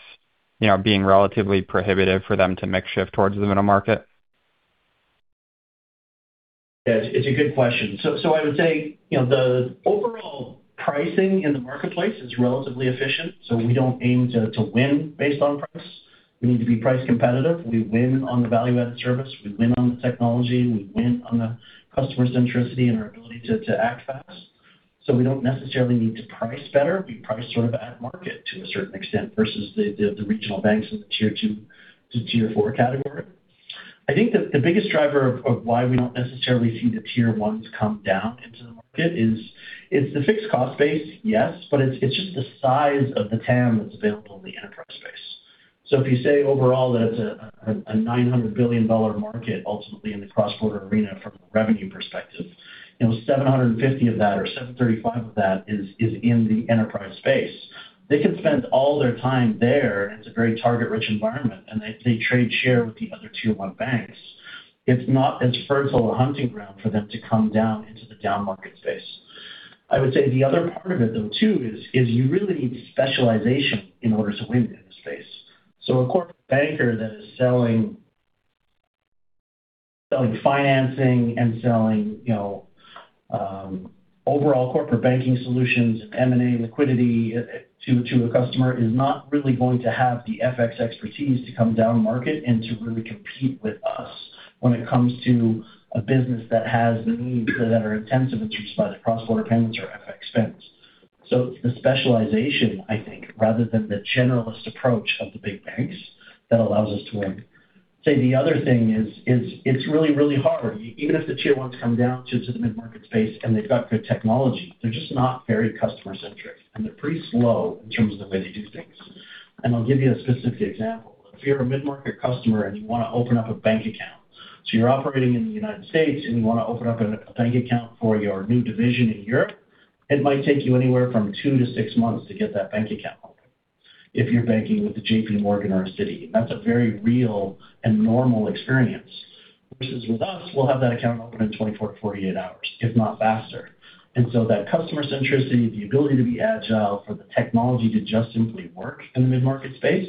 S11: you know, being relatively prohibitive for them to make shift towards the middle market.
S3: Yeah. It's a good question. I would say, you know, the overall pricing in the marketplace is relatively efficient, so we don't aim to win based on price. We need to be price competitive. We win on the value-added service. We win on the technology, and we win on the customer centricity and our ability to act fast. We don't necessarily need to price better. We price sort of at market to a certain extent versus the regional banks in the tier 2 to tier 4 category. I think the biggest driver of why we don't necessarily see the tier 1s come down into the market is, it's the fixed cost base, yes, but it's just the size of the TAM that's available in the enterprise space. If you say overall that it's a $900 billion market ultimately in the cross-border arena from a revenue perspective, you know, $750 of that or $735 of that is in the enterprise space. They can spend all their time there, and it's a very target-rich environment, and they trade share with the other tier 1 banks. It's not as fertile a hunting ground for them to come down into the downmarket space. I would say the other part of it though too is you really need specialization in order to win in this space. A corporate banker that is selling financing and selling, you know, overall corporate banking solutions, M&A liquidity to a customer is not really going to have the FX expertise to come downmarket and to really compete with us when it comes to a business that has the needs that are intensive in terms of either cross-border payments or FX spends. It's the specialization, I think, rather than the generalist approach of the big banks that allows us to win. I'd say the other thing is it's really, really hard. Even if the tier ones come down to the mid-market space and they've got good technology, they're just not very customer-centric, and they're pretty slow in terms of the way they do things. I'll give you a specific example. If you're a mid-market customer and you want to open up a bank account, so you're operating in the United States and you want to open up a bank account for your new division in Europe, it might take you anywhere from two to six months to get that bank account open if you're banking with a JPMorgan or a Citi. That's a very real and normal experience. Versus with us, we'll have that account open in 24-48 hours, if not faster. So that customer centricity, the ability to be agile for the technology to just simply work in the mid-market space,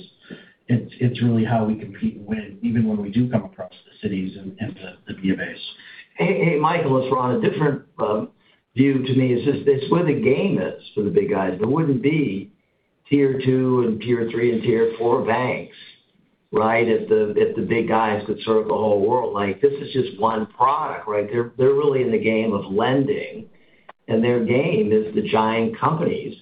S3: it's really how we compete and win even when we do come across the Citis and the BofAs.
S2: Hey, hey, Michael. It's Ron. A different view to me is just it's where the game is for the big guys. There wouldn't be tier 2 and tier 3 and tier 4 banks, right? If the big guys could serve the whole world. Like, this is just one product, right? They're really in the game of lending, and their game is the giant companies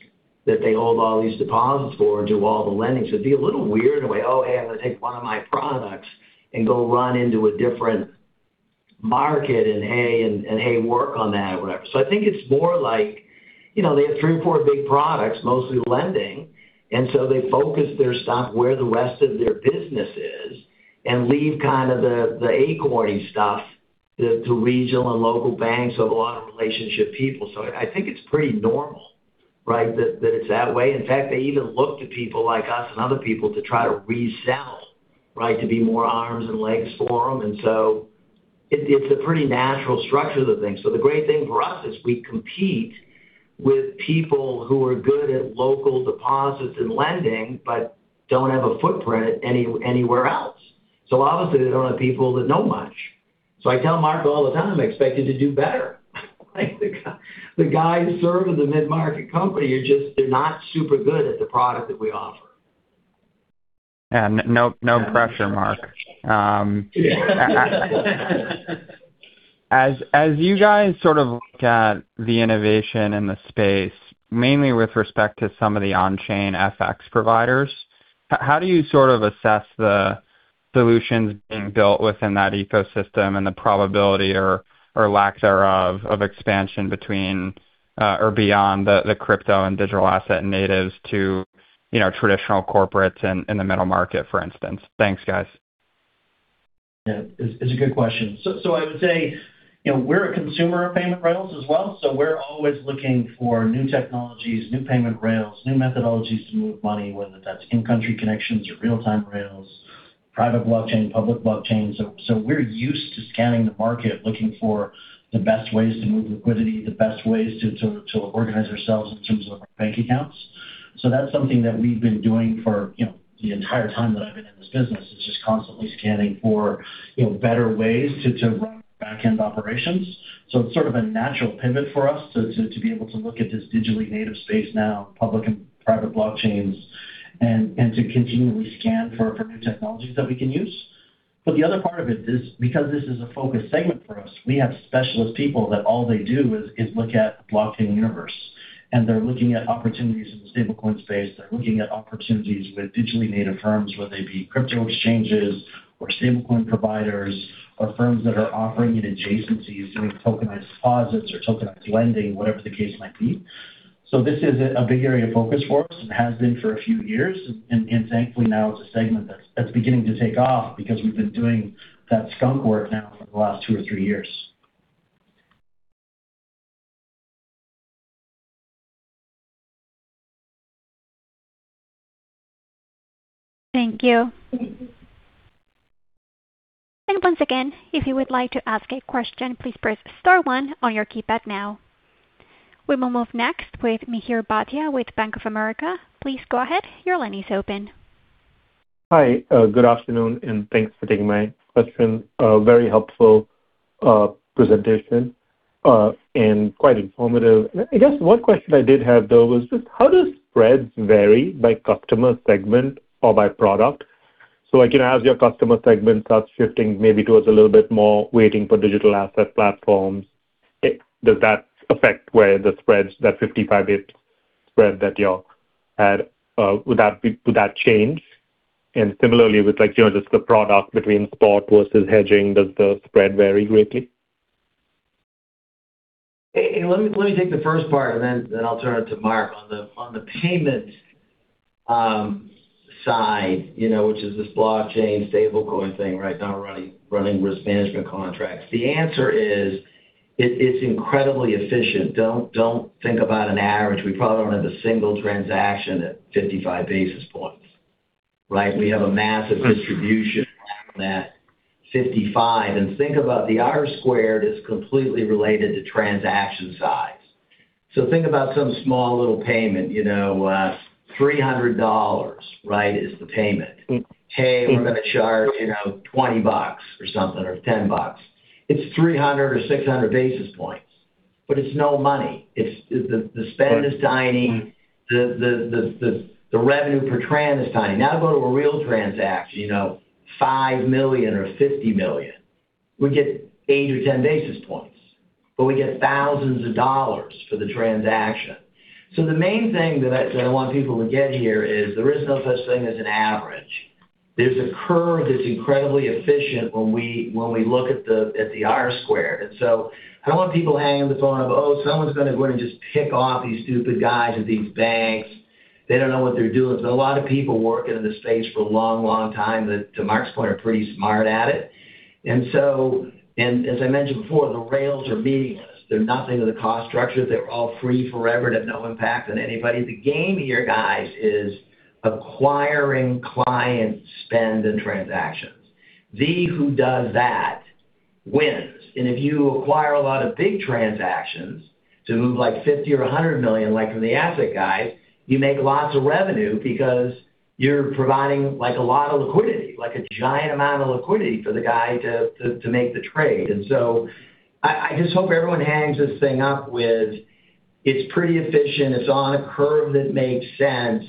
S2: that they hold all these deposits for and do all the lending. It'd be a little weird in a way, "Oh, hey, I'm gonna take 1 of my products and go run into a different market and, hey, work on that," or whatever. I think it's more like, you know, they have three or four big products, mostly lending, and so they focus their stuff where the rest of their business is and leave kind of the acorn-y stuff to regional and local banks that have a lot of relationship people. I think it's pretty normal, right, that it's that way. In fact, they even look to people like us and other people to try to resell, right, to be more arms and legs for them. It, it's a pretty natural structure to things. The great thing for us is we compete with people who are good at local deposits and lending but don't have a footprint anywhere else. Obviously, they don't have people that know much. I tell Mark all the time, I expect you to do better, like the guys serving the mid-market company are just, they're not super good at the product that we offer.
S11: Yeah. No, no pressure, Mark. As you guys sort of look at the innovation in the space, mainly with respect to some of the on-chain FX providers, how do you sort of assess the solutions being built within that ecosystem and the probability or lack thereof of expansion between or beyond the crypto and digital asset natives to, you know, traditional corporates in the middle market, for instance? Thanks, guys.
S3: Yeah. It's a good question. I would say, you know, we're a consumer of payment rails as well, so we're always looking for new technologies, new payment rails, new methodologies to move money, whether that's in-country connections or real-time rails, private blockchain, public blockchain. We're used to scanning the market looking for the best ways to move liquidity, the best ways to organize ourselves in terms of our bank accounts. That's something that we've been doing for, you know, the entire time that I've been in this business, is just constantly scanning for, you know, better ways to run backend operations. It's sort of a natural pivot for us to be able to look at this digitally native space now, public and private blockchains and to continually scan for new technologies that we can use. The other part of it is because this is a focused segment for us, we have specialist people that all they do is look at the blockchain universe, and they're looking at opportunities in the stablecoin space. They're looking at opportunities with digitally native firms, whether they be crypto exchanges or stablecoin providers or firms that are offering an adjacencies, doing tokenized deposits or tokenized lending, whatever the case might be. This is a big area of focus for us and has been for a few years. Thankfully now it's a segment that's beginning to take off because we've been doing that skunk work now for the last two or three years.
S4: Thank you. Once again, if you would like to ask a question, please press star 1 on your keypad now. We will move next with Mihir Bhatia with Bank of America. Please go ahead. Your line is open.
S12: Hi. Good afternoon, and thanks for taking my question. Very helpful presentation, and quite informative. I guess one question I did have, though, was just how does spreads vary by customer segment or by product? Like, you know, as your customer segment starts shifting maybe towards a little bit more waiting for digital asset platforms, does that affect where the spreads, that 55 bid spread that y'all had, would that change? Similarly with like, you know, just the product between spot versus hedging, does the spread vary greatly?
S2: Hey, let me take the first part and then I'll turn it to Mark. On the payment side, you know, which is this blockchain stablecoin thing right now running risk management contracts, the answer is it's incredibly efficient. Don't think about an average. We probably don't have a single transaction at 55 basis points, right? We have a massive distribution.
S12: Right
S2: on that 55. Think about the R squared is completely related to transaction size. Think about some small little payment, you know, $300, right, is the payment. Hey, we're gonna charge, you know, $20 or something, or $10. It's 300 or 600 basis points, but it's no money. It's the spend is tiny. The revenue per tran is tiny. Go to a real transaction, you know, $5 million or $50 million. We get 8 or 10 basis points, we get thousands of dollars for the transaction. The main thing that I want people to get here is there is no such thing as an average. There's a curve that's incredibly efficient when we look at the R squared. I don't want people hanging the phone up, "Oh, someone's gonna go in and just pick off these stupid guys at these banks. They don't know what they're doing." There's a lot of people working in this space for a long time that, to Mark Frey's point, are pretty smart at it. As I mentioned before, the rails are meaningless. They're nothing to the cost structure. They're all free forever. They have no impact on anybody. The game here, guys, is acquiring client spend and transactions. He who does that wins. If you acquire a lot of big transactions to move like $50 or $100 million, like from the asset guys, you make lots of revenue because you're providing like a lot of liquidity, like a giant amount of liquidity for the guy to make the trade. I just hope everyone hangs this thing up with it's pretty efficient. It's on a curve that makes sense.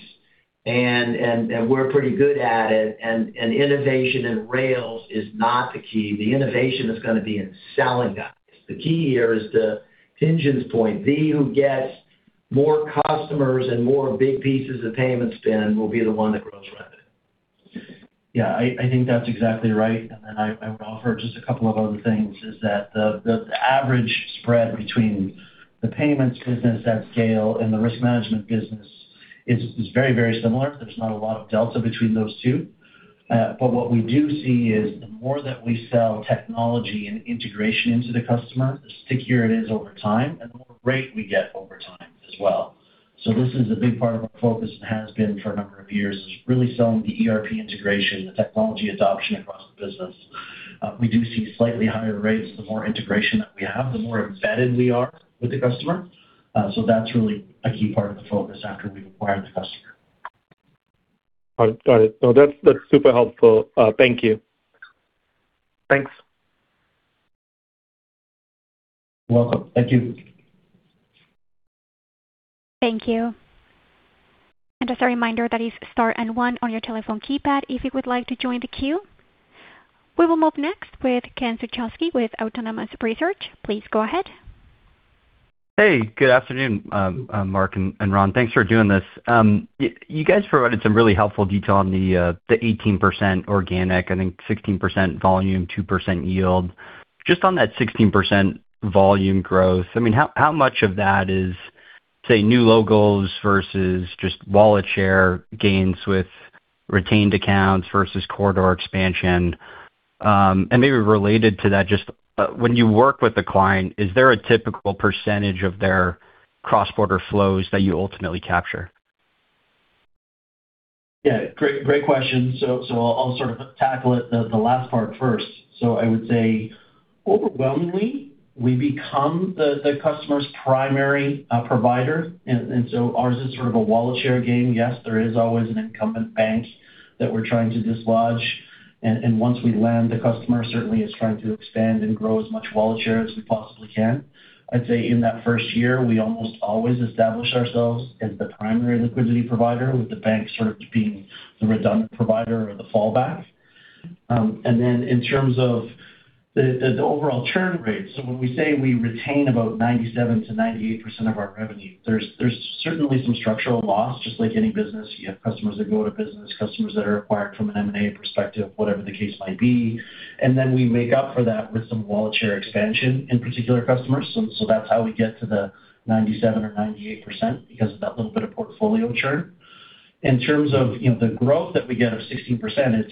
S2: We're pretty good at it. Innovation in rails is not the key. The innovation is going to be in selling guides. The key here is to Tien-Tsin's point, he who gets more customers and more big pieces of payment spend will be the one that grows revenue.
S3: I think that's exactly right. I would offer just a couple of other things, is that the average spread between the payments business at scale and the risk management business is very, very similar. There's not a lot of delta between those two. What we do see is the more that we sell technology and integration into the customer, the stickier it is over time, and the more rate we get over time as well. This is a big part of our focus and has been for a number of years, is really selling the ERP integration, the technology adoption across the business. We do see slightly higher rates the more integration that we have, the more embedded we are with the customer. That's really a key part of the focus after we've acquired the customer.
S12: All right. Got it. No, that's super helpful. Thank you.
S3: Thanks.
S2: You're welcome. Thank you.
S4: Thank you. As a reminder, that is star and 1 on your telephone keypad if you would like to join the queue. We will move next with Ken Suchoski with Autonomous Research. Please go ahead.
S13: Hey, good afternoon, Mark and Ron. Thanks for doing this. You guys provided some really helpful detail on the 18% organic, I think 16% volume, 2% yield. Just on that 16% volume growth, I mean, how much of that is, say, new logos versus just wallet share gains with retained accounts versus corridor expansion? Maybe related to that, when you work with a client, is there a typical percentage of their cross-border flows that you ultimately capture?
S3: Yeah, great question. I'll sort of tackle it, the last part first. I would say overwhelmingly, we become the customer's primary provider. Ours is sort of a wallet share game. Yes, there is always an incumbent bank that we're trying to dislodge. Once we land a customer, certainly is trying to expand and grow as much wallet share as we possibly can. I'd say in that first year, we almost always establish ourselves as the primary liquidity provider, with the bank sort of being the redundant provider or the fallback. In terms of the overall churn rate, when we say we retain about 97%-98% of our revenue, there's certainly some structural loss, just like any business. You have customers that go out of business, customers that are acquired from an M&A perspective, whatever the case might be. We make up for that with some wallet share expansion in particular customers. That's how we get to the 97% or 98%, because of that little bit of portfolio churn. In terms of, you know, the growth that we get of 16%,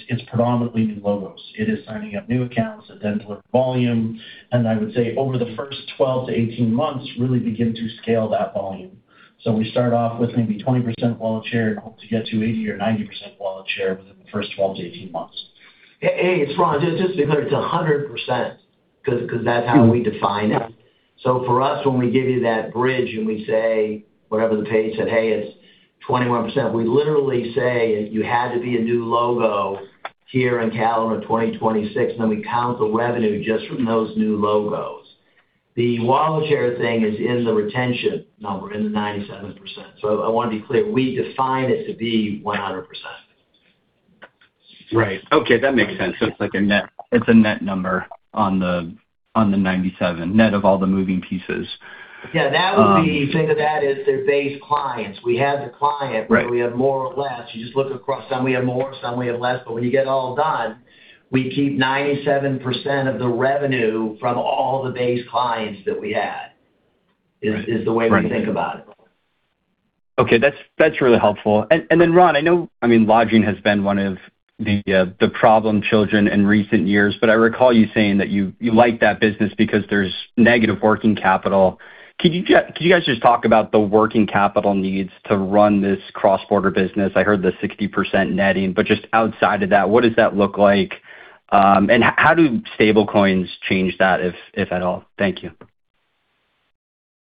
S3: it's predominantly new logos. It is signing up new accounts and then deliver volume. I would say over the first 12-18 months, really begin to scale that volume. We start off with maybe 20% wallet share and hope to get to 80% or 90% wallet share within the first 12-18 months.
S2: Hey, it's Ron. Just because it's 100%, 'cause that's how we define it. For us, when we give you that bridge and we say whatever the page said, "Hey, it's 21%," we literally say you had to be a new logo here in calendar 2026, and then we count the revenue just from those new logos. The wallet share thing is in the retention number, in the 97%. I want to be clear, we define it to be 100%.
S13: Right. Okay. That makes sense. It's like a net, it's a net number on the 97, net of all the moving pieces.
S2: Yeah. Think of that as their base clients. We have the client...
S13: Right.
S2: We have more or less. You just look across. Some we have more, some we have less, but when you get all done, we keep 97% of the revenue from all the base clients that we had.
S13: Right.
S2: Is the way we think about it.
S13: Okay. That's really helpful. Ron, I know, I mean, lodging has been one of the problem children in recent years, but I recall you saying that you like that business because there's negative working capital. Could you guys just talk about the working capital needs to run this cross-border business? I heard the 60% netting, but just outside of that, what does that look like? How do stablecoins change that, if at all? Thank you.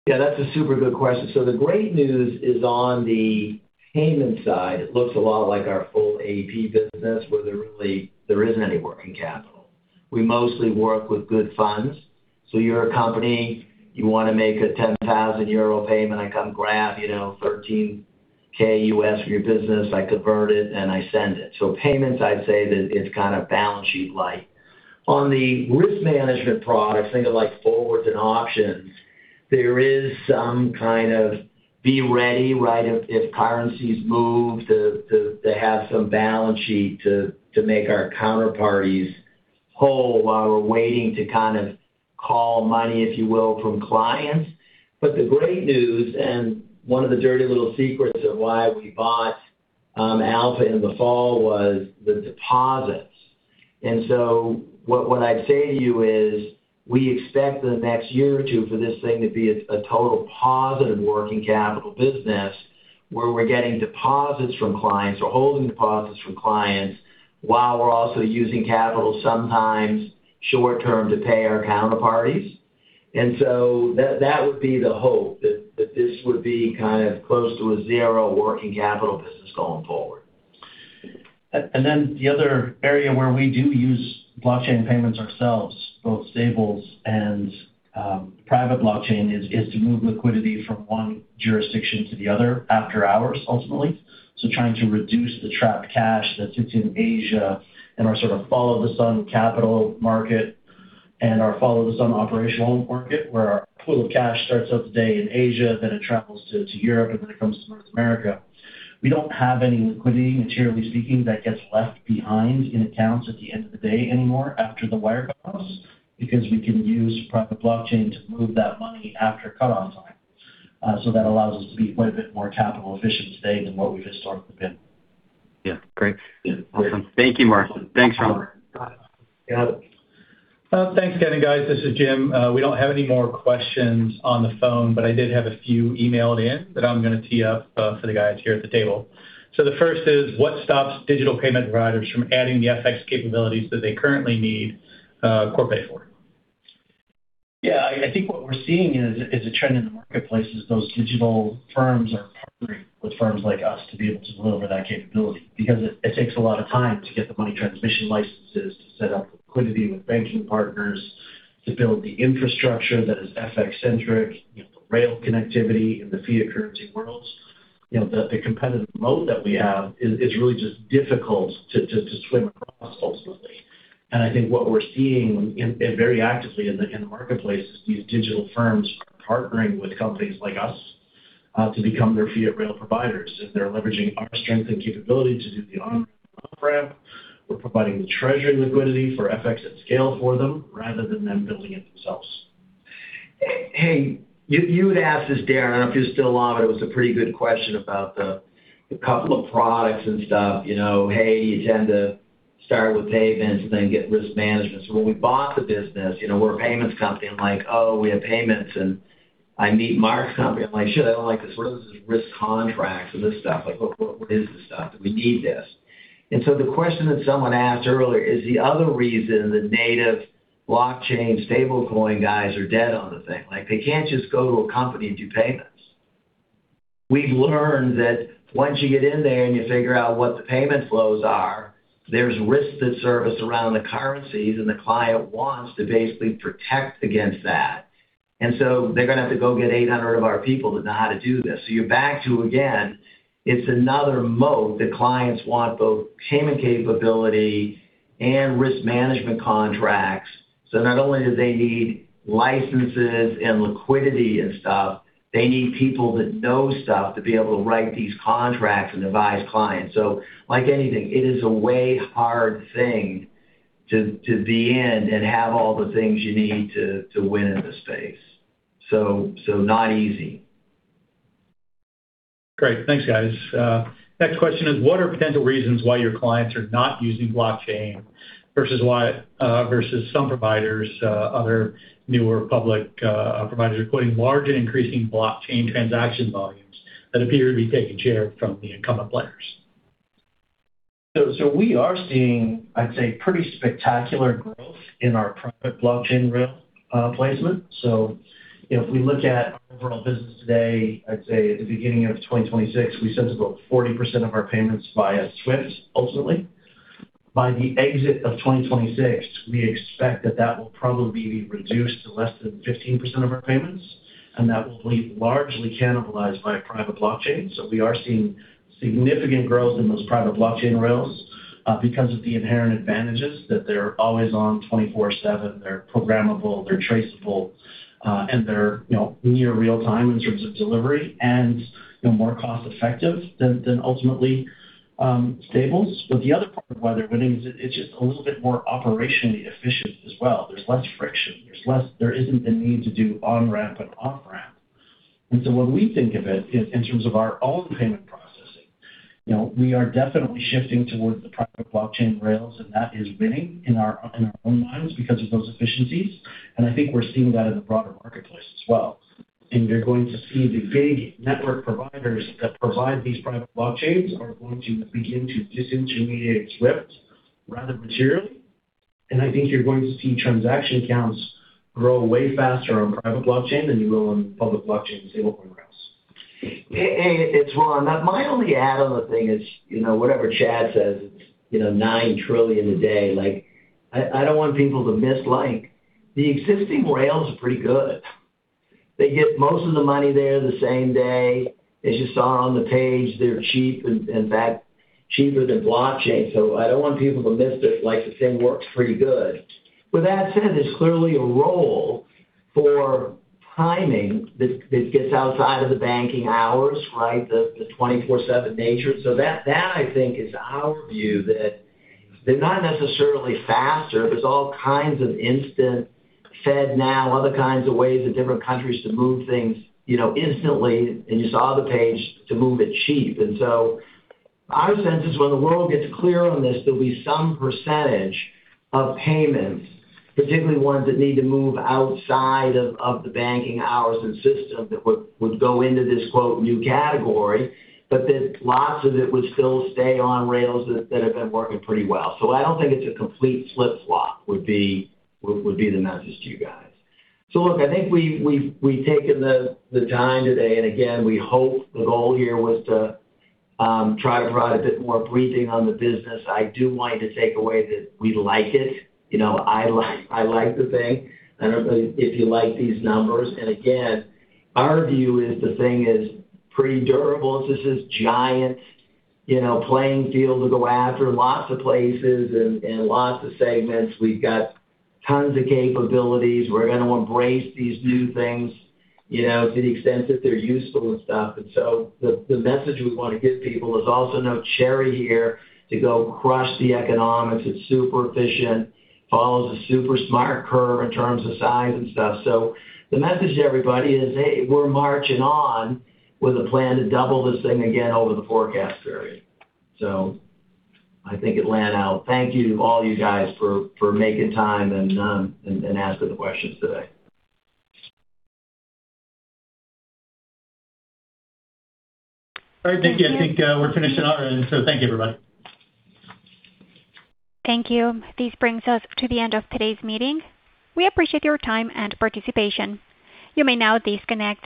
S2: Yeah, that's a super good question. The great news is on the payment side, it looks a lot like our full AP business, where there really, there isn't any working capital. We mostly work with good funds. You're a company, you wanna make a 10,000 euro payment, I come grab, you know, $13K from your business, I convert it, and I send it. Payments, I'd say that it's kind of balance sheet light. On the risk management products, think of like forwards and options, there is some kind of be ready, right, if currencies move, to have some balance sheet to make our counterparties whole while we're waiting to kind of call money, if you will, from clients. The great news, and one of the dirty little secrets of why we bought Alpha in the fall was the deposits. What I'd say to you is, we expect in the next year or two for this thing to be a total positive working capital business where we're getting deposits from clients. We're holding deposits from clients while we're also using capital sometimes short term to pay our counterparties. That would be the hope, that this would be kind of close to a zero working capital business going forward.
S3: The other area where we do use blockchain payments ourselves, both stables and private blockchain is to move liquidity from one jurisdiction to the other after hours, ultimately. Trying to reduce the trapped cash that sits in Asia and our sort of follow the sun capital market and our follow the sun operational market, where our pool of cash starts up today in Asia, then it travels to Europe, and then it comes to North America. We don't have any liquidity, materially speaking, that gets left behind in accounts at the end of the day anymore after the wire goes because we can use private blockchain to move that money after cut-off time. That allows us to be quite a bit more capital efficient today than what we've historically been.
S13: Yeah. Great.
S3: Yeah. Great.
S13: Awesome. Thank you, Mark. Thanks, Ron.
S3: Got it.
S1: Thanks again, guys. This is Jim. We don't have any more questions on the phone, but I did have a few emailed in that I'm gonna tee up for the guys here at the table. The first is, what stops digital payment providers from adding the FX capabilities that they currently need Corpay for?
S3: I think what we're seeing is a trend in the marketplace is those digital firms are partnering with firms like us to be able to deliver that capability because it takes a lot of time to get the money transmission licenses to set up liquidity with banking partners, to build the infrastructure that is FX-centric, you know, the rail connectivity in the fiat currency worlds. You know, the competitive mode that we have is really just difficult to swim across ultimately. I think what we're seeing very actively in the marketplace is these digital firms are partnering with companies like us to become their fiat rail providers, and they're leveraging our strength and capability to do the on-ramp and off-ramp. We're providing the treasury liquidity for FX at scale for them rather than them building it themselves.
S2: Hey, you had asked this, Darrin. I don't know if you're still on, but it was a pretty good question about the couple of products and stuff. You know, hey, you tend to start with payments and then get risk management. When we bought the business, you know, we're a payments company. I'm like, "Oh, we have payments," and I meet Mark's company. I'm like, "I don't like this. What is this risk contracts and this stuff? Like, what is this stuff? Do we need this?" The question that someone asked earlier is the other reason the native blockchain stablecoin guys are dead on the thing. Like, they can't just go to a company and do payments. We've learned that once you get in there and you figure out what the payment flows are, there's risks that service around the currencies, and the client wants to basically protect against that. They're gonna have to go get 800 of our people that know how to do this. You're back to, again, it's another moat that clients want both payment capability and risk management contracts. Not only do they need licenses and liquidity and stuff, they need people that know stuff to be able to write these contracts and advise clients. Like anything, it is a way hard thing to be in and have all the things you need to win in the space. Not easy.
S1: Great. Thanks, guys. Next question is, what are potential reasons why your clients are not using blockchain versus why versus some providers, other newer public providers are quoting large and increasing blockchain transaction volumes that appear to be taking share from the incumbent players?
S3: We are seeing, I'd say, pretty spectacular growth in our private blockchain rail, placement. You know, if we look at our overall business today, I'd say at the beginning of 2026, we sent about 40% of our payments via Swift, ultimately. By the exit of 2026, we expect that that will probably be reduced to less than 15% of our payments, and that will be largely cannibalized by private blockchain. We are seeing significant growth in those private blockchain rails, because of the inherent advantages that they're always on 24/7, they're programmable, they're traceable, and they're, you know, near real time in terms of delivery and, you know, more cost effective than ultimately, stables. The other part of why they're winning is it's just a little bit more operationally efficient as well. There's less friction. There isn't a need to do on-ramp and off-ramp. When we think of it in terms of our own payment processing, you know, we are definitely shifting towards the private blockchain rails, and that is winning in our own minds because of those efficiencies, and I think we're seeing that in the broader marketplace as well. You're going to see the big network providers that provide these private blockchains are going to begin to disintermediate Swift rather materially. I think you're going to see transaction counts grow way faster on private blockchain than you will on public blockchain stablecoin rails.
S2: Hey, it's Ron. My only add on the thing is, you know, whatever Chad says, it's, you know, $9 trillion a day. Like, I don't want people to miss, like, the existing rails are pretty good. They get most of the money there the same day. As you saw on the page, they're cheap, in fact, cheaper than blockchain. I don't want people to miss this, like, this thing works pretty good. With that said, there's clearly a role for timing that gets outside of the banking hours, right? The 24/7 nature. That, that I think is our view that they're not necessarily faster. There's all kinds of instant FedNow, other kinds of ways in different countries to move things, you know, instantly, and you saw the page, to move it cheap. Our sense is when the world gets clear on this, there'll be some percentage of payments, particularly ones that need to move outside of the banking hours and system that would go into this, quote, "new category," but that lots of it would still stay on rails that have been working pretty well. I don't think it's a complete flip-flop, would be the message to you guys. Look, I think we've taken the time today, and again, we hope the goal here was to try to provide a bit more briefing on the business. I do want you to take away that we like it. You know, I like the thing. I don't know if you like these numbers. Our view is the thing is pretty durable. This is giant, you know, playing field to go after, lots of places and lots of segments. We've got tons of capabilities. We're gonna embrace these new things, you know, to the extent that they're useful and stuff. The message we wanna give people is also no cherry here to go crush the economics. It's super efficient, follows a super smart curve in terms of size and stuff. The message to everybody is, hey, we're marching on with a plan to double this thing again over the forecast period. I think it'll land out. Thank you to all you guys for making time and answering the questions today.
S1: All right. Thank you. I think, we're finishing up. Thank you, everybody.
S4: Thank you. This brings us to the end of today's meeting. We appreciate your time and participation. You may now disconnect.